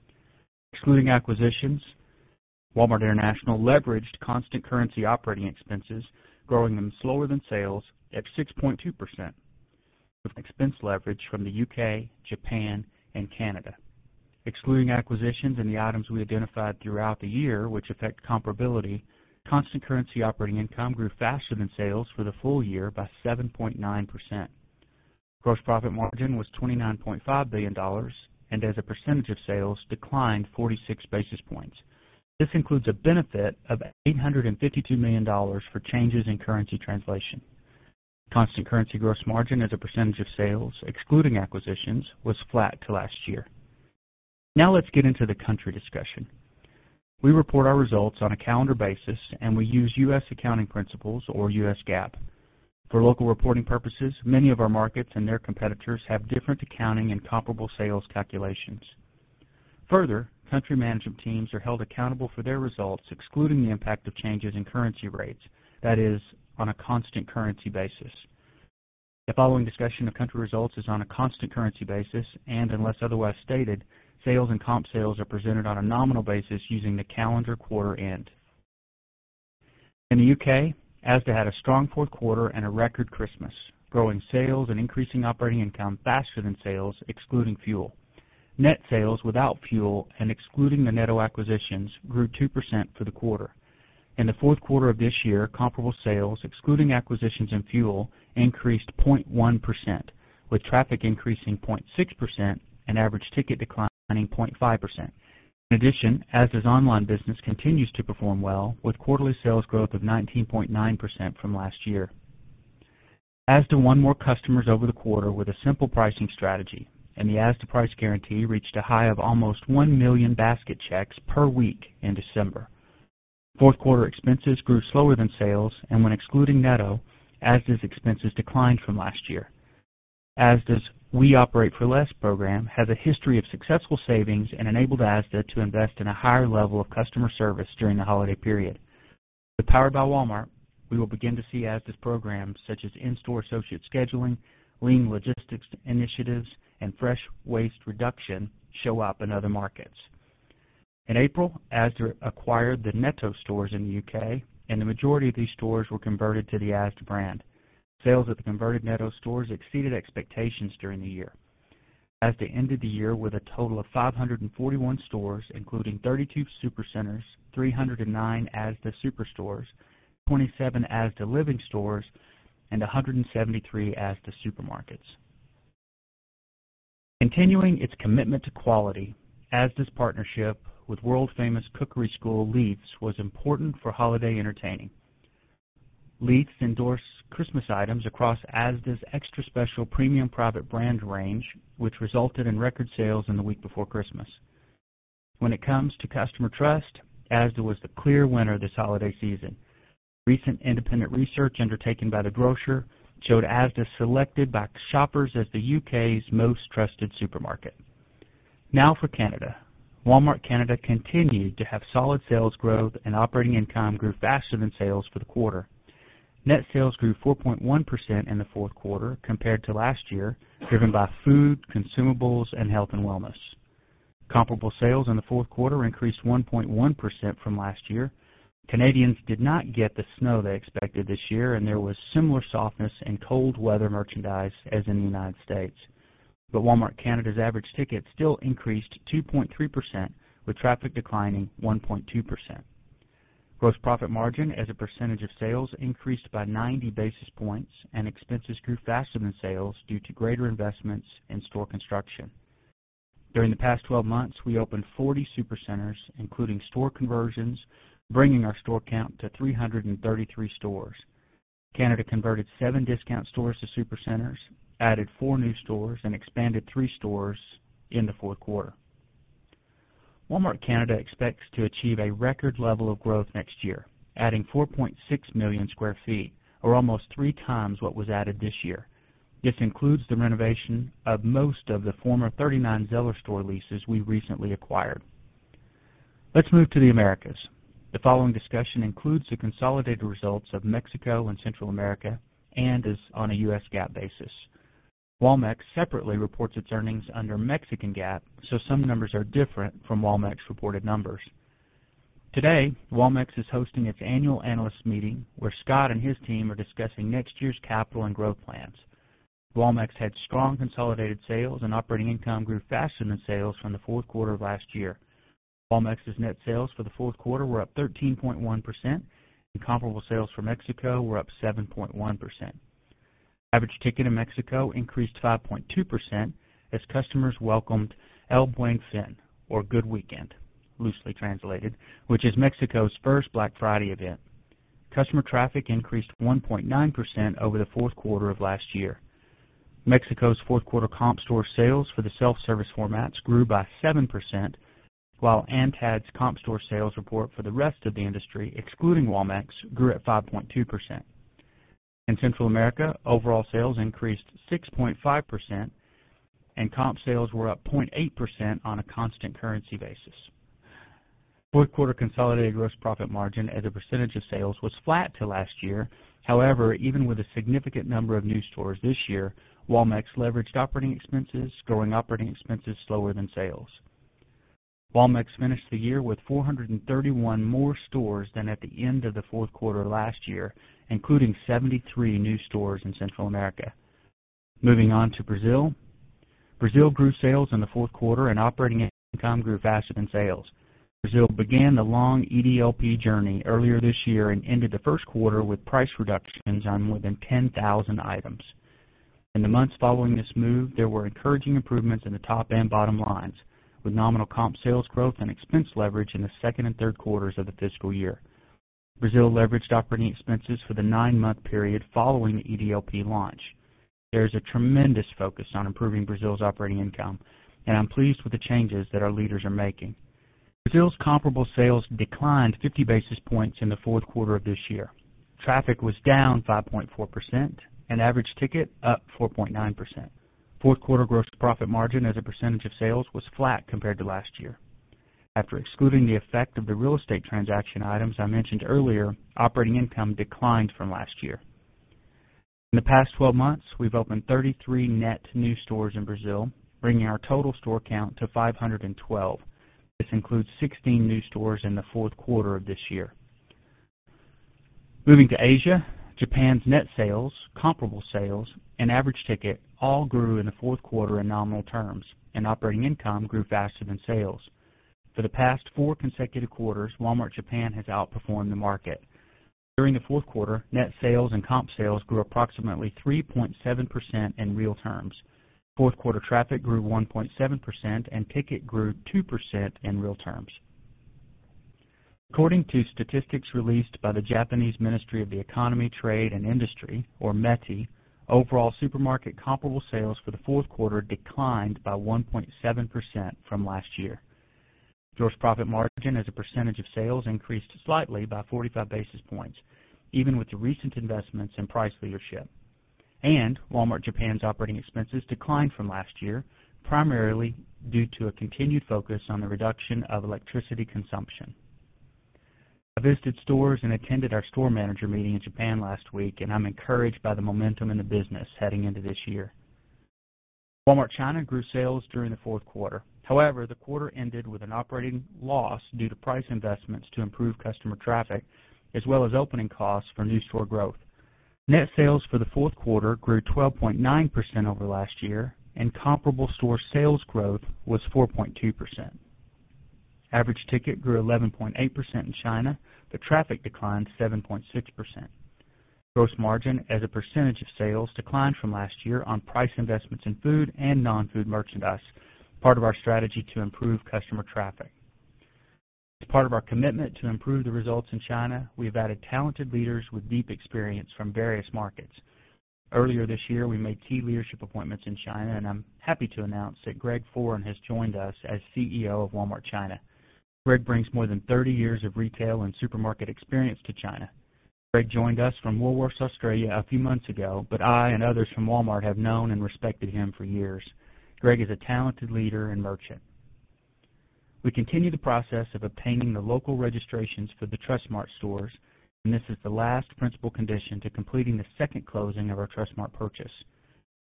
Excluding acquisitions, Walmart International leveraged constant currency operating expenses, growing them slower than sales at 6.2%, with expense leverage from the U.K., Japan, and Canada. Excluding acquisitions and the items we identified throughout the year, which affect comparability, constant currency operating income grew faster than sales for the full year by 7.9%. Gross profit margin was $29.5 billion, and as a percentage of sales, declined 46 basis points. This includes a benefit of $852 million for changes in currency translation. Constant currency gross margin as a percentage of sales, excluding acquisitions, was flat to last year. Now let's get into the country discussion. We report our results on a calendar basis, and we use U.S. accounting principles, or U.S. GAAP. For local reporting purposes, many of our markets and their competitors have different accounting and comparable sales calculations. Further, country management teams are held accountable for their results, excluding the impact of changes in currency rates, that is, on a constant currency basis. The following discussion of country results is on a constant currency basis, and unless otherwise stated, sales and comp sales are presented on a nominal basis using the calendar quarter end. In the U.K., ASDA had a strong fourth quarter and a record Christmas, growing sales and increasing operating income faster than sales, excluding fuel. Net sales without fuel and excluding the Netto acquisitions grew 2% for the quarter. In the fourth quarter of this year, comparable sales, excluding acquisitions and fuel, increased 0.1%, with traffic increasing 0.6% and average ticket declining 0.5%. In addition, ASDA's online business continues to perform well, with quarterly sales growth of 19.9% from last year. ASDA won more customers over the quarter with a simple pricing strategy, and the ASDA Price Guarantee reached a high of almost 1 million basket checks per week in December. Fourth quarter expenses grew slower than sales, and when excluding Netto, ASDA's expenses declined from last year. ASDA's We Operate for Less program has a history of successful savings and enabled ASDA to invest in a higher level of customer service during the holiday period. With Powered by Walmart, we will begin to see ASDA's programs such as in-store associate scheduling, lean logistics initiatives, and fresh waste reduction show up in other markets. In April, ASDA acquired the Netto stores in the U.K., and the majority of these stores were converted to the ASDA brand. Sales at the converted Netto stores exceeded expectations during the year. ASDA ended the year with a total of 541 stores, including 32 supercenters, 309 ASDA superstores, 27 ASDA Living stores, and 173 ASDA supermarkets. Continuing its commitment to quality, ASDA's partnership with world-famous cookery school Leiths was important for holiday entertaining. Leiths endorsed Christmas items across ASDA's Extra Special premium private brand range, which resulted in record sales in the week before Christmas. When it comes to customer trust, ASDA was the clear winner this holiday season. Recent independent research undertaken by the grocer showed ASDA selected by shoppers as the U.K.'s most trusted supermarket. Now for Canada. Walmart Canada continued to have solid sales growth, and operating income grew faster than sales for the quarter. Net sales grew 4.1% in the fourth quarter compared to last year, driven by food, consumables, and health and wellness. Comparable sales in the fourth quarter increased 1.1% from last year. Canadians did not get the snow they expected this year, and there was similar softness in cold weather merchandise as in the United States. Walmart Canada's average ticket still increased 2.3%, with traffic declining 1.2%. Gross profit margin as a percentage of sales increased by 90 basis points, and expenses grew faster than sales due to greater investments in store construction. During the past 12 months, we opened 40 supercenters, including store conversions, bringing our store count to 333 stores. Canada converted seven discount stores to supercenters, added four new stores, and expanded three stores in the fourth quarter. Walmart Canada expects to achieve a record level of growth next year, adding 4.6 million sq ft, or almost 3x what was added this year. This includes the renovation of most of the former 39 Zeller store leases we recently acquired. Let's move to the Americas. The following discussion includes the consolidated results of Mexico and Central America and is on a U.S. GAAP basis. Walmart separately reports its earnings under Mexican GAAP, so some numbers are different from Walmart's reported numbers. Today, Walmart is hosting its annual analyst meeting, where Scott and his team are discussing next year's capital and growth plans. Walmart had strong consolidated sales, and operating income grew faster than sales from the fourth quarter of last year. Walmart's net sales for the fourth quarter were up 13.1%, and comparable sales for Mexico were up 7.1%. Average ticket in Mexico increased 5.2% as customers welcomed El Buen Fin, or Good Weekend, loosely translated, which is Mexico's first Black Friday event. Customer traffic increased 1.9% over the fourth quarter of last year. Mexico's fourth quarter comp store sales for the self-service formats grew by 7%, while antad's comp store sales report for the rest of the industry, excluding Walmart, grew at 5.2%. In Central America, overall sales increased 6.5%, and comp sales were up 0.8% on a constant currency basis. Fourth quarter consolidated gross profit margin as a percentage of sales was flat to last year. However, even with a significant number of new stores this year, Walmart leveraged operating expenses, growing operating expenses slower than sales. Walmart finished the year with 431 more stores than at the end of the fourth quarter last year, including 73 new stores in Central America. Moving on to Brazil. Brazil grew sales in the fourth quarter, and operating income grew faster than sales. Brazil began the long EDLP journey earlier this year and ended the first quarter with price reductions on more than 10,000 items. In the months following this move, there were encouraging improvements in the top and bottom lines, with nominal comp sales growth and expense leverage in the second and third quarters of the fiscal year. Brazil leveraged operating expenses for the nine-month period following the EDLP launch. There is a tremendous focus on improving Brazil's operating income, and I'm pleased with the changes that our leaders are making. Brazil's comparable sales declined 50 basis points in the fourth quarter of this year. Traffic was down 5.4%, and average ticket up 4.9%. Fourth quarter gross profit margin as a percentage of sales was flat compared to last year. After excluding the effect of the real estate transaction items I mentioned earlier, operating income declined from last year. In the past 12 months, we've opened 33 net new stores in Brazil, bringing our total store count to 512. This includes 16 new stores in the fourth quarter of this year. Moving to Asia, Japan's net sales, comparable sales, and average ticket all grew in the fourth quarter in nominal terms, and operating income grew faster than sales. For the past four consecutive quarters, Walmart Japan has outperformed the market. During the fourth quarter, net sales and comp sales grew approximately 3.7% in real terms. Fourth quarter traffic grew 1.7%, and ticket grew 2% in real terms. According to statistics released by the Japanese Ministry of the Economy, Trade, and Industry, or METI, overall supermarket comparable sales for the fourth quarter declined by 1.7% from last year. Gross profit margin as a percentage of sales increased slightly by 45 basis points, even with the recent investments in price leadership. Walmart Japan's operating expenses declined from last year, primarily due to a continued focus on the reduction of electricity consumption. I visited stores and attended our Store Manager meeting in Japan last week, and I'm encouraged by the momentum in the business heading into this year. Walmart China grew sales during the fourth quarter. However, the quarter ended with an operating loss due to price investments to improve customer traffic, as well as opening costs for new store growth. Net sales for the fourth quarter grew 12.9% over last year, and comparable store sales growth was 4.2%. Average ticket grew 11.8% in China, but traffic declined 7.6%. Gross margin as a percentage of sales declined from last year on price investments in food and non-food merchandise, part of our strategy to improve customer traffic. As part of our commitment to improve the results in China, we have added talented leaders with deep experience from various markets. Earlier this year, we made key leadership appointments in China, and I'm happy to announce that Greg Foran has joined us as CEO of Walmart China. Greg brings more than 30 years of retail and supermarket experience to China. Greg joined us from Woolworths, Australia, a few months ago, but I and others from Walmart have known and respected him for years. Greg is a talented leader and merchant. We continue the process of obtaining the local registrations for the Trust Mart stores, and this is the last principal condition to completing the second closing of our Trust Mart purchase.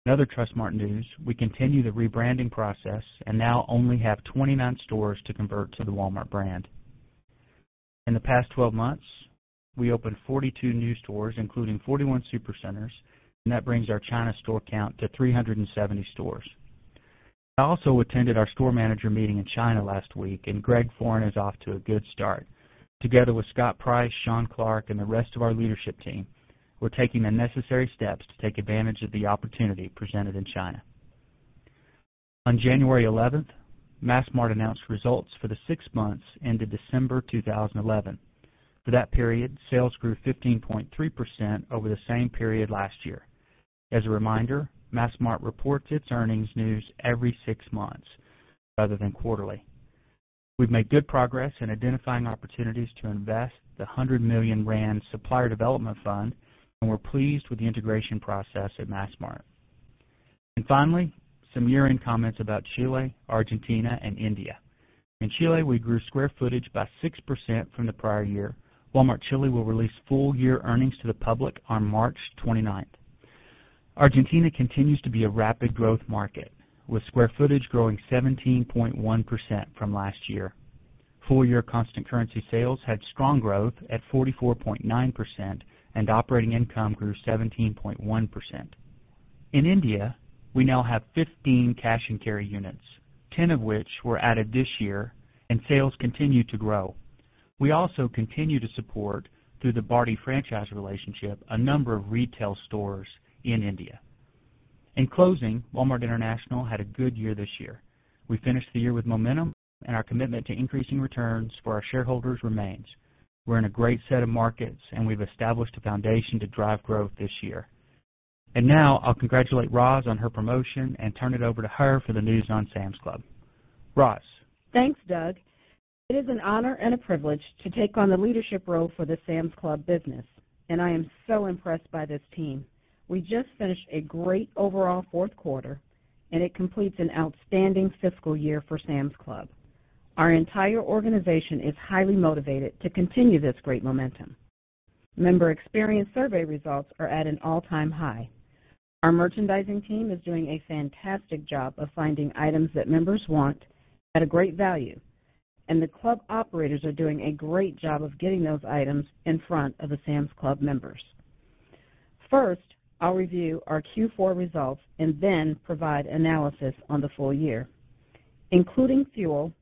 In other Trust Mart news, we continue the rebranding process and now only have 29 stores to convert to the Walmart brand. In the past 12 months, we opened 42 new stores, including 41 supercenters, and that brings our China store count to 370 stores. I also attended our Store Manager meeting in China last week, and Greg Foran is off to a good start. Together with Scott Price, Sean Clark, and the rest of our leadership team, we're taking the necessary steps to take advantage of the opportunity presented in China. On January 11th, Massmart announced results for the six months ended December 2011. For that period, sales grew 15.3% over the same period last year. As a reminder, Massmart reports its earnings news every six months rather than quarterly. We've made good progress in identifying opportunities to invest the 100 million rand supplier development fund, and we're pleased with the integration process at Massmart. Finally, some year-end comments about Chile, Argentina, and India. In Chile, we grew square footage by 6% from the prior year. Walmart Chile will release full-year earnings to the public on March 29. Argentina continues to be a rapid growth market, with square footage growing 17.1% from last year. Full-year constant currency sales had strong growth at 44.9%, and operating income grew 17.1%. In India, we now have 15 cash and carry units, 10 of which were added this year, and sales continue to grow. We also continue to support, through the Bardi franchise relationship, a number of retail stores in India. In closing, Walmart International had a good year this year. We finished the year with momentum, and our commitment to increasing returns for our shareholders remains. We're in a great set of markets, and we've established a foundation to drive growth this year. I'll congratulate Roz on her promotion and turn it over to her for the news on Sam's Club. Roz. Thanks, Doug. It is an honor and a privilege to take on the leadership role for the Sam's Club business, and I am so impressed by this team. We just finished a great overall fourth quarter, and it completes an outstanding fiscal year for Sam's Club. Our entire organization is highly motivated to continue this great momentum. Member experience survey results are at an all-time high. Our merchandising team is doing a fantastic job of finding items that members want at a great value, and the club operators are doing a great job of getting those items in front of the Sam's Club members. First, I'll review our Q4 results and then provide analysis on the full year. Including fuel,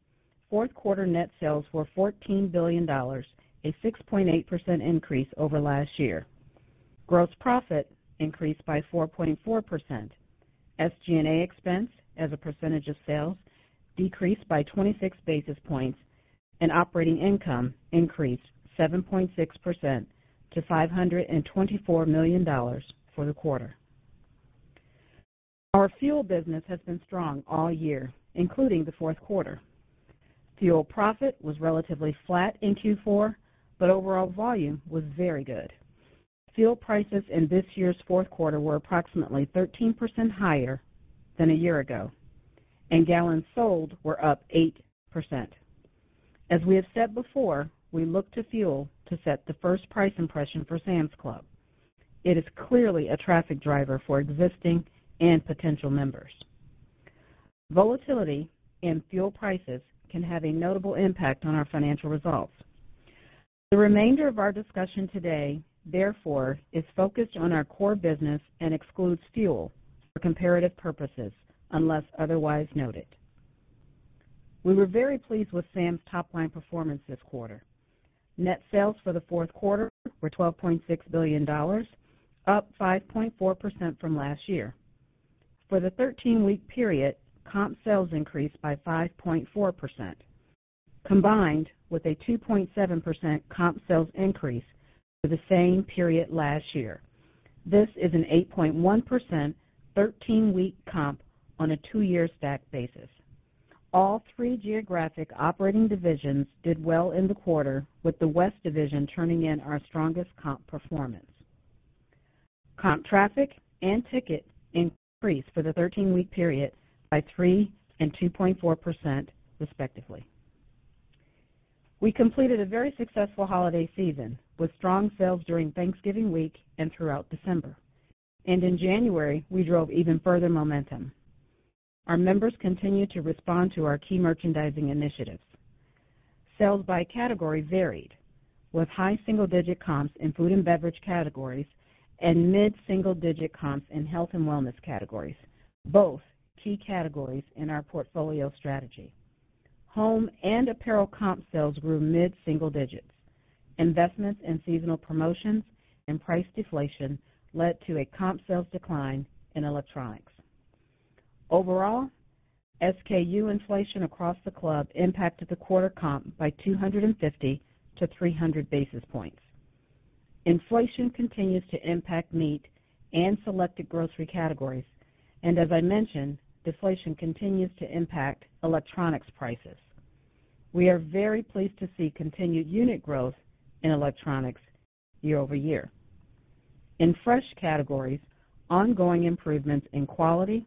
fourth quarter net sales were $14 billion, a 6.8% increase over last year. Gross profit increased by 4.4%. SG&A expense, as a percentage of sales, decreased by 26 basis points, and operating income increased 7.6% to $524 million for the quarter. Our fuel business has been strong all year, including the fourth quarter. Fuel profit was relatively flat in Q4, but overall volume was very good. Fuel prices in this year's fourth quarter were approximately 13% higher than a year ago, and gallons sold were up 8%. As we have said before, we look to fuel to set the first price impression for Sam's Club. It is clearly a traffic driver for existing and potential members. Volatility in fuel prices can have a notable impact on our financial results. The remainder of our discussion today, therefore, is focused on our core business and excludes fuel for comparative purposes, unless otherwise noted. We were very pleased with Sam's top-line performance this quarter. Net sales for the fourth quarter were $12.6 billion, up 5.4% from last year. For the 13-week period, comp sales increased by 5.4%, combined with a 2.7% comp sales increase for the same period last year. This is an 8.1% 13-week comp on a two-year stack basis. All three geographic operating divisions did well in the quarter, with the West division turning in our strongest comp performance. Comp traffic and ticket increased for the 13-week period by 3% and 2.4% respectively. We completed a very successful holiday season with strong sales during Thanksgiving week and throughout December. In January, we drove even further momentum. Our members continued to respond to our key merchandising initiatives. Sales by category varied, with high single-digit comps in food and beverage categories and mid-single-digit comps in health and wellness categories, both key categories in our portfolio strategy. Home and apparel comp sales grew mid-single digits. Investments in seasonal promotions and price deflation led to a comp sales decline in electronics. Overall, SKU inflation across the club impacted the quarter comp by 250-300 basis points. Inflation continues to impact meat and selected grocery categories, and as I mentioned, deflation continues to impact electronics prices. We are very pleased to see continued unit growth in electronics year-over-year. In fresh categories, ongoing improvements in quality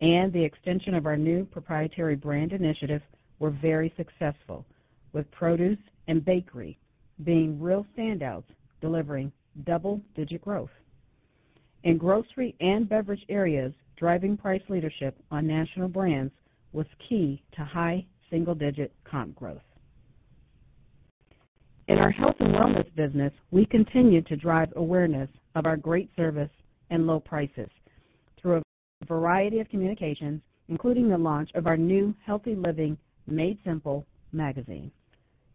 and the extension of our new proprietary brand initiative were very successful, with produce and bakery being real standouts, delivering double-digit growth. In grocery and beverage areas, driving price leadership on national brands was key to high single-digit comp growth. In our health and wellness business, we continue to drive awareness of our great service and low prices through a variety of communications, including the launch of our new Healthy Living Made Simple magazine.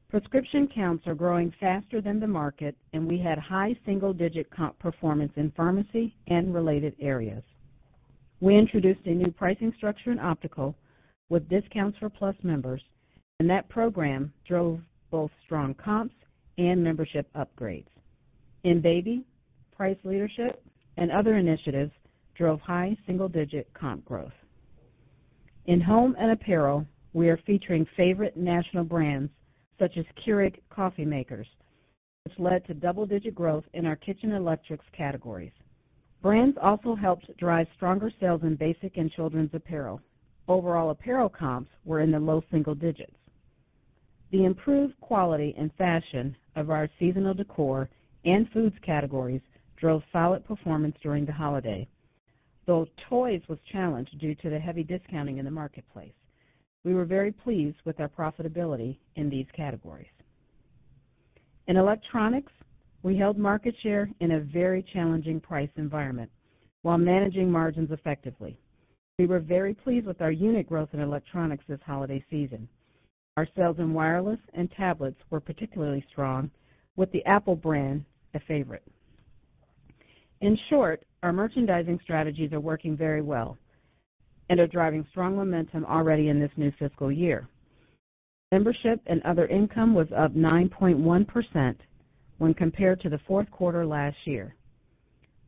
Prescription counts are growing faster than the market, and we had high single-digit comp performance in pharmacy and related areas. We introduced a new pricing structure in optical with discounts for Plus members, and that program drove both strong comps and membership upgrades. In baby, price leadership and other initiatives drove high single-digit comp growth. In home and apparel, we are featuring favorite national brands such as Keurig Coffee Makers. This led to double-digit growth in our kitchen electrics categories. Brands also helped drive stronger sales in basic and children's apparel. Overall, apparel comps were in the low single digits. The improved quality and fashion of our seasonal decor and foods categories drove solid performance during the holiday, though toys were challenged due to the heavy discounting in the marketplace. We were very pleased with our profitability in these categories. In electronics, we held market share in a very challenging price environment while managing margins effectively. We were very pleased with our unit growth in electronics this holiday season. Our sales in wireless and tablets were particularly strong, with the Apple brand a favorite. In short, our merchandising strategies are working very well and are driving strong momentum already in this new fiscal year. Membership and other income was up 9.1% when compared to the fourth quarter last year.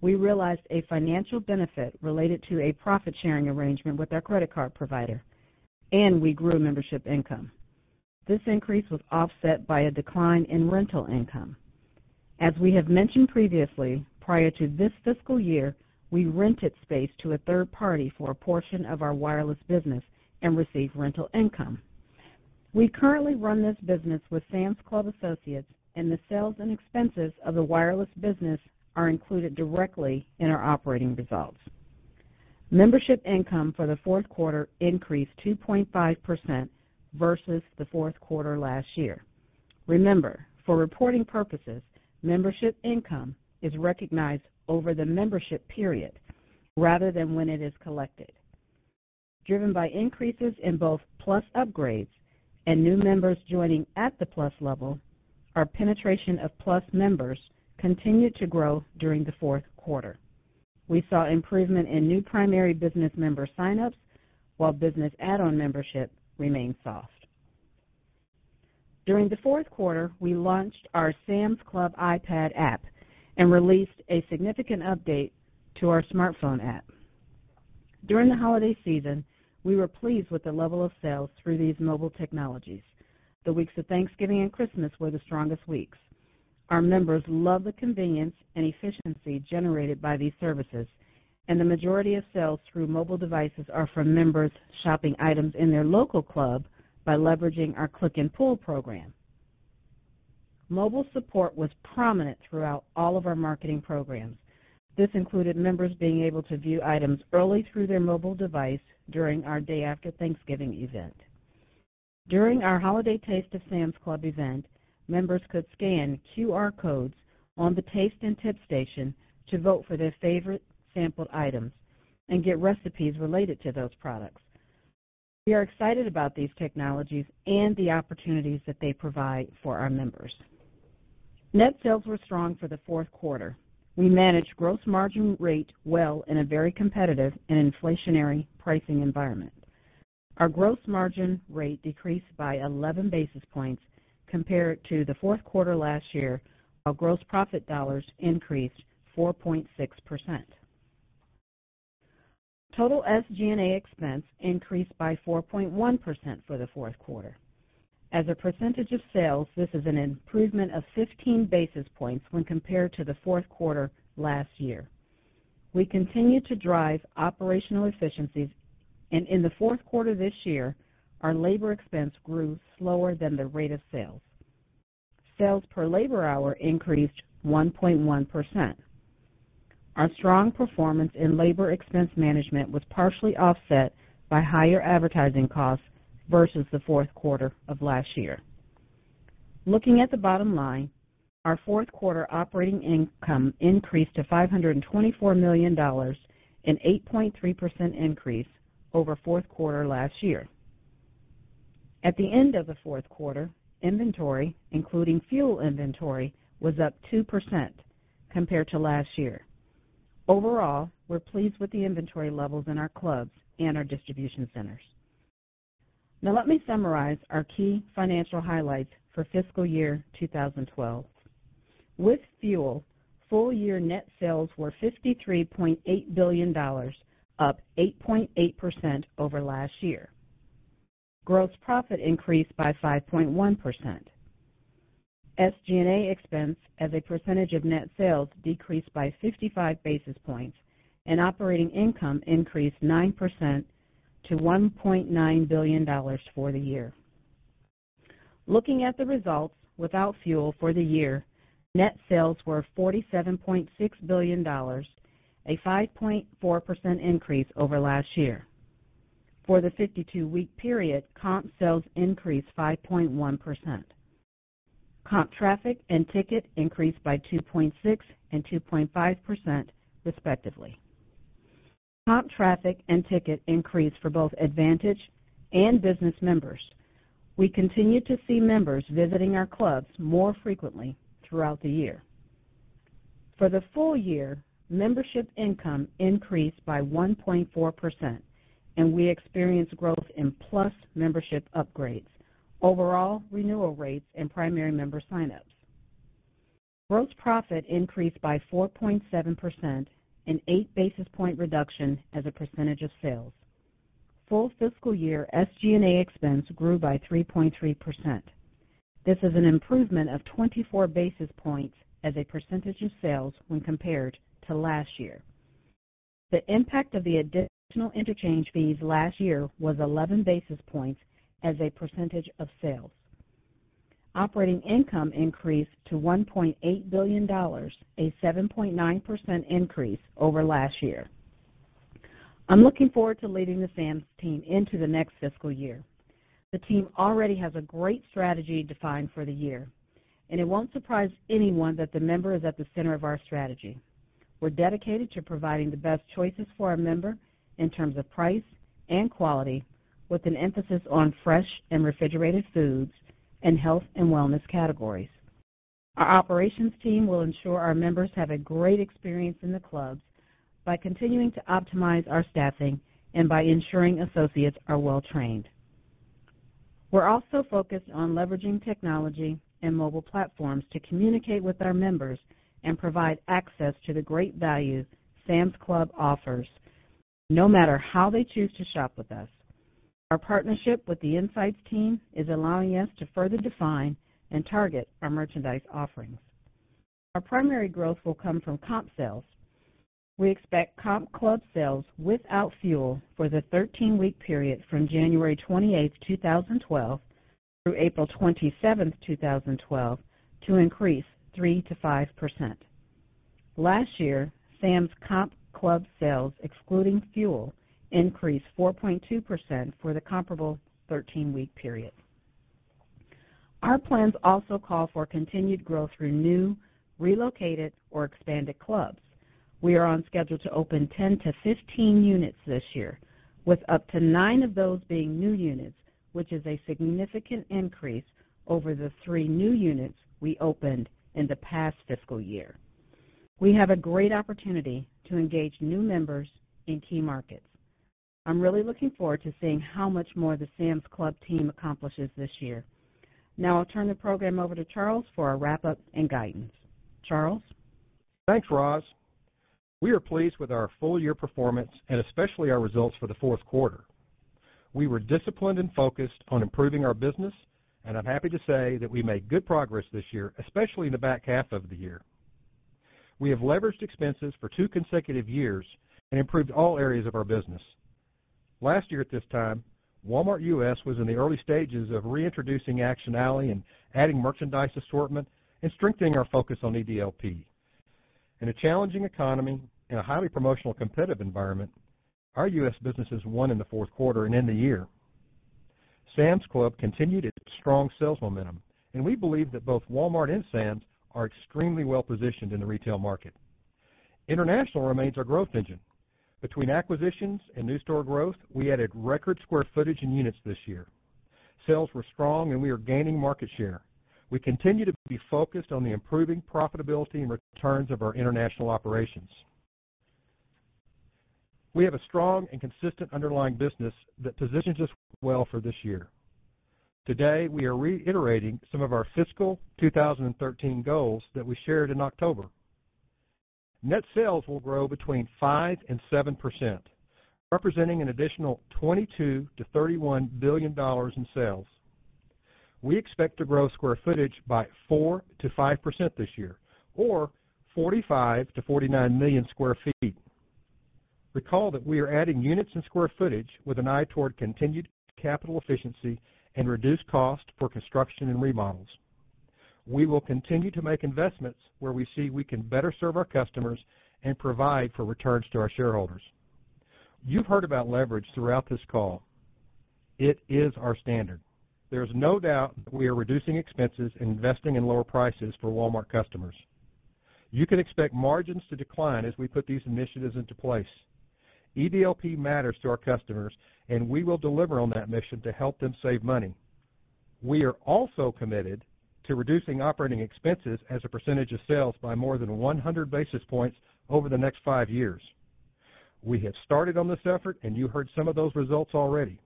We realized a financial benefit related to a profit-sharing arrangement with our credit card provider, and we grew membership income. This increase was offset by a decline in rental income. As we have mentioned previously, prior to this fiscal year, we rented space to a third party for a portion of our wireless business and received rental income. We currently run this business with Sam's Club associates, and the sales and expenses of the wireless business are included directly in our operating results. Membership income for the fourth quarter increased 2.5% versus the fourth quarter last year. Remember, for reporting purposes, membership income is recognized over the membership period rather than when it is collected. Driven by increases in both Plus upgrades and new members joining at the Plus level, our penetration of Plus members continued to grow during the fourth quarter. We saw improvement in new primary business member sign-ups, while business add-on membership remained soft. During the fourth quarter, we launched our Sam's Club iPad app and released a significant update to our smartphone app. During the holiday season, we were pleased with the level of sales through these mobile technologies. The weeks of Thanksgiving and Christmas were the strongest weeks. Our members love the convenience and efficiency generated by these services, and the majority of sales through mobile devices are from members shopping items in their local club by leveraging our Click and Pull program. Mobile support was prominent throughout all of our marketing programs. This included members being able to view items early through their mobile device during our Day After Thanksgiving event. During our holiday Taste of Sam's Club event, members could scan QR codes on the taste and tip station to vote for their favorite sampled items and get recipes related to those products. We are excited about these technologies and the opportunities that they provide for our members. Net sales were strong for the fourth quarter. We managed gross margin rate well in a very competitive and inflationary pricing environment. Our gross margin rate decreased by 11 basis points compared to the fourth quarter last year, while gross profit dollars increased 4.6%. Total SG&A expense increased by 4.1% for the fourth quarter. As a percentage of sales, this is an improvement of 15 basis points when compared to the fourth quarter last year. We continue to drive operational efficiencies, and in the fourth quarter this year, our labor expense grew slower than the rate of sales. Sales per labor hour increased 1.1%. Our strong performance in labor expense management was partially offset by higher advertising costs versus the fourth quarter of last year. Looking at the bottom line, our fourth quarter operating income increased to $524 million, an 8.3% increase over the fourth quarter last year. At the end of the fourth quarter, inventory, including fuel inventory, was up 2% compared to last year. Overall, we're pleased with the inventory levels in our clubs and our distribution centers. Now let me summarize our key financial highlights for fiscal year 2012. With fuel, full-year net sales were $53.8 billion, up 8.8% over last year. Gross profit increased by 5.1%. SG&A expense, as a percentage of net sales, decreased by 55 basis points, and operating income increased 9% to $1.9 billion for the year. Looking at the results without fuel for the year, net sales were $47.6 billion, a 5.4% increase. Increase over last year. For the 52-week period, comp sales increased 5.1%. Comp traffic and ticket increased by 2.6% and 2.5% respectively. Comp traffic and ticket increased for both Advantage and Business members. We continue to see members visiting our clubs more frequently throughout the year. For the full year, membership income increased by 1.4%, and we experienced growth in Plus membership upgrades, overall renewal rates, and primary member sign-ups. Gross profit increased by 4.7%, an eight basis point reduction as a percentage of sales. Full fiscal year SG&A expense grew by 3.3%. This is an improvement of 24 basis points as a percentage of sales when compared to last year. The impact of the additional interchange fees last year was 11 basis points as a percentage of sales. Operating income increased to $1.8 billion, a 7.9% increase over last year. I'm looking forward to leading the Sam's Club team into the next fiscal year. The team already has a great strategy defined for the year, and it won't surprise anyone that the member is at the center of our strategy. We're dedicated to providing the best choices for our member in terms of price and quality, with an emphasis on fresh and refrigerated foods and health and wellness categories. Our operations team will ensure our members have a great experience in the clubs by continuing to optimize our staffing and by ensuring associates are well trained. We're also focused on leveraging technology and mobile platforms to communicate with our members and provide access to the great value Sam's Club offers no matter how they choose to shop with us. Our partnership with the insights team is allowing us to further define and target our merchandise offerings. Our primary growth will come from comp sales. We expect comp club sales without fuel for the 13-week period from January 28th, 2012 through April 27th, 2012 to increase 3%-5%. Last year, Sam's Club comp club sales excluding fuel increased 4.2% for the comparable 13-week period. Our plans also call for continued growth through new, relocated, or expanded clubs. We are on schedule to open 10-15 units this year, with up to nine of those being new units, which is a significant increase over the three new units we opened in the past fiscal year. We have a great opportunity to engage new members in key markets. I'm really looking forward to seeing how much more the Sam's Club team accomplishes this year. Now I'll turn the program over to Charles for a wrap-up and guidance. Charles? Thanks, Roz. We are pleased with our full-year performance and especially our results for the fourth quarter. We were disciplined and focused on improving our business, and I'm happy to say that we made good progress this year, especially in the back half of the year. We have leveraged expenses for two consecutive years and improved all areas of our business. Last year at this time, Walmart US was in the early stages of reintroducing actionality and adding merchandise assortment and strengthening our focus on EDLP. In a challenging economy and a highly promotional competitive environment, our U.S. businesses won in the fourth quarter and in the year. Sam's Club continued its strong sales momentum, and we believe that both Walmart and Sam's are extremely well positioned in the retail market. International remains our growth engine. Between acquisitions and new store growth, we added record square footage and units this year. Sales were strong, and we are gaining market share. We continue to be focused on the improving profitability and returns of our international operations. We have a strong and consistent underlying business that positions us well for this year. Today, we are reiterating some of our fiscal 2013 goals that we shared in October. Net sales will grow between 5%-7%, representing an additional $22 billion-$31 billion in sales. We expect to grow square footage by 4%-5% this year, or 45 million-49 million sq ft. Recall that we are adding units and square footage with an eye toward continued capital efficiency and reduced costs for construction and remodels. We will continue to make investments where we see we can better serve our customers and provide for returns to our shareholders. You've heard about leverage throughout this call. It is our standard. There is no doubt we are reducing expenses and investing in lower prices for Walmart customers. You can expect margins to decline as we put these initiatives into place. EDLP matters to our customers, and we will deliver on that mission to help them save money. We are also committed to reducing operating expenses as a percentage of sales by more than 100 basis points over the next five years. We have started on this effort, and you heard some of those results already.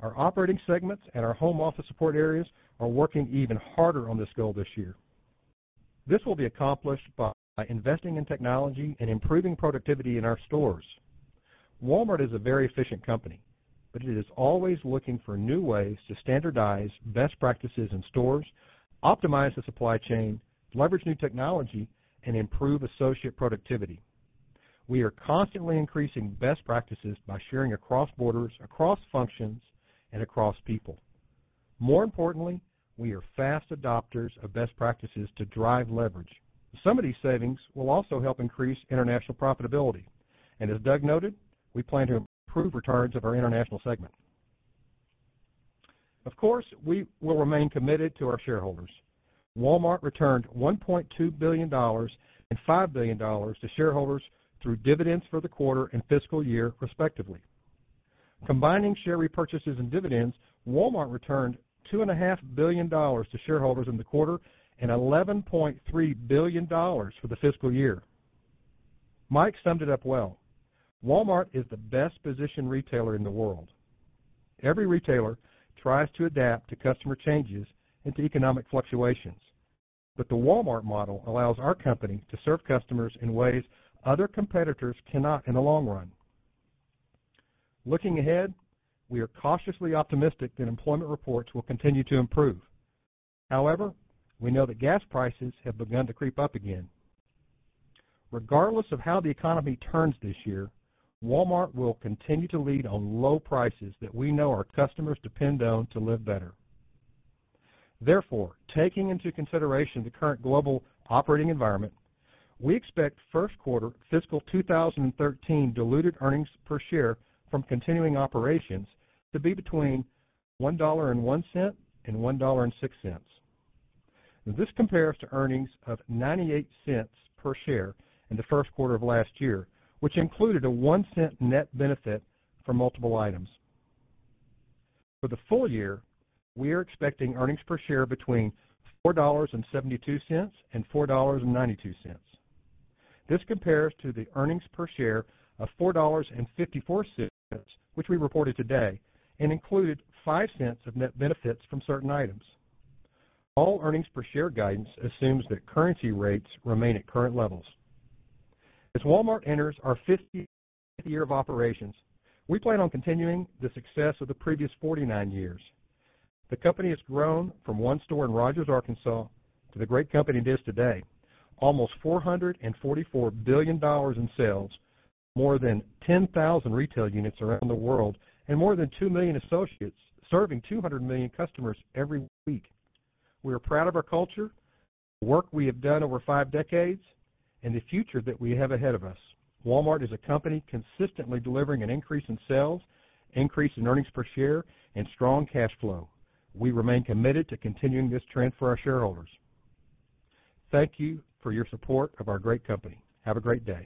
Our operating segments and our home office support areas are working even harder on this goal this year. This will be accomplished by investing in technology and improving productivity in our stores. Walmart is a very efficient company, but it is always looking for new ways to standardize best practices in stores, optimize the supply chain, leverage new technology, and improve associate productivity. We are constantly increasing best practices by sharing across borders, across functions, and across people. More importantly, we are fast adopters of best practices to drive leverage. Some of these savings will also help increase international profitability. As Doug McMillon noted, we plan to improve returns of our international segment. Of course, we will remain committed to our shareholders. Walmart returned $1.2 billion and $5 billion to shareholders through dividends for the quarter and fiscal year, respectively. Combining share repurchases and dividends, Walmart returned $2.5 billion to shareholders in the quarter and $11.3 billion for the fiscal year. Mike Duke summed it up well. Walmart is the best positioned retailer in the world. Every retailer tries to adapt to customer changes and to economic fluctuations. The Walmart model allows our company to serve customers in ways other competitors cannot in the long run. Looking ahead, we are cautiously optimistic that employment reports will continue to improve. However, we know that gas prices have begun to creep up again. Regardless of how the economy turns this year, Walmart will continue to lead on low prices that we know our customers depend on to live better. Therefore, taking into consideration the current global operating environment, we expect first quarter fiscal 2013 diluted earnings per share from continuing operations to be between $1.01-$1.06. This compares to earnings of $0.98 per share in the first quarter of last year, which included a $0.01 net benefit for multiple items. For the full year, we are expecting earnings per share between $4.72-$4.92. This compares to the earnings per share of $4.54, which we reported today and included $0.05 of net benefits from certain items. All earnings per share guidance assumes that currency rates remain at current levels. As Walmart enters our 50th year of operations, we plan on continuing the success of the previous 49 years. The company has grown from one store in Rogers, Arkansas to the great company it is today, almost $444 billion in sales, more than 10,000 retail units around the world, and more than 2 million associates serving 200 million customers every week. We are proud of our culture, the work we have done over five decades, and the future that we have ahead of us. Walmart is a company consistently delivering an increase in sales, increase in earnings per share, and strong cash flow. We remain committed to continuing this trend for our shareholders. Thank you for your support of our great company. Have a great day.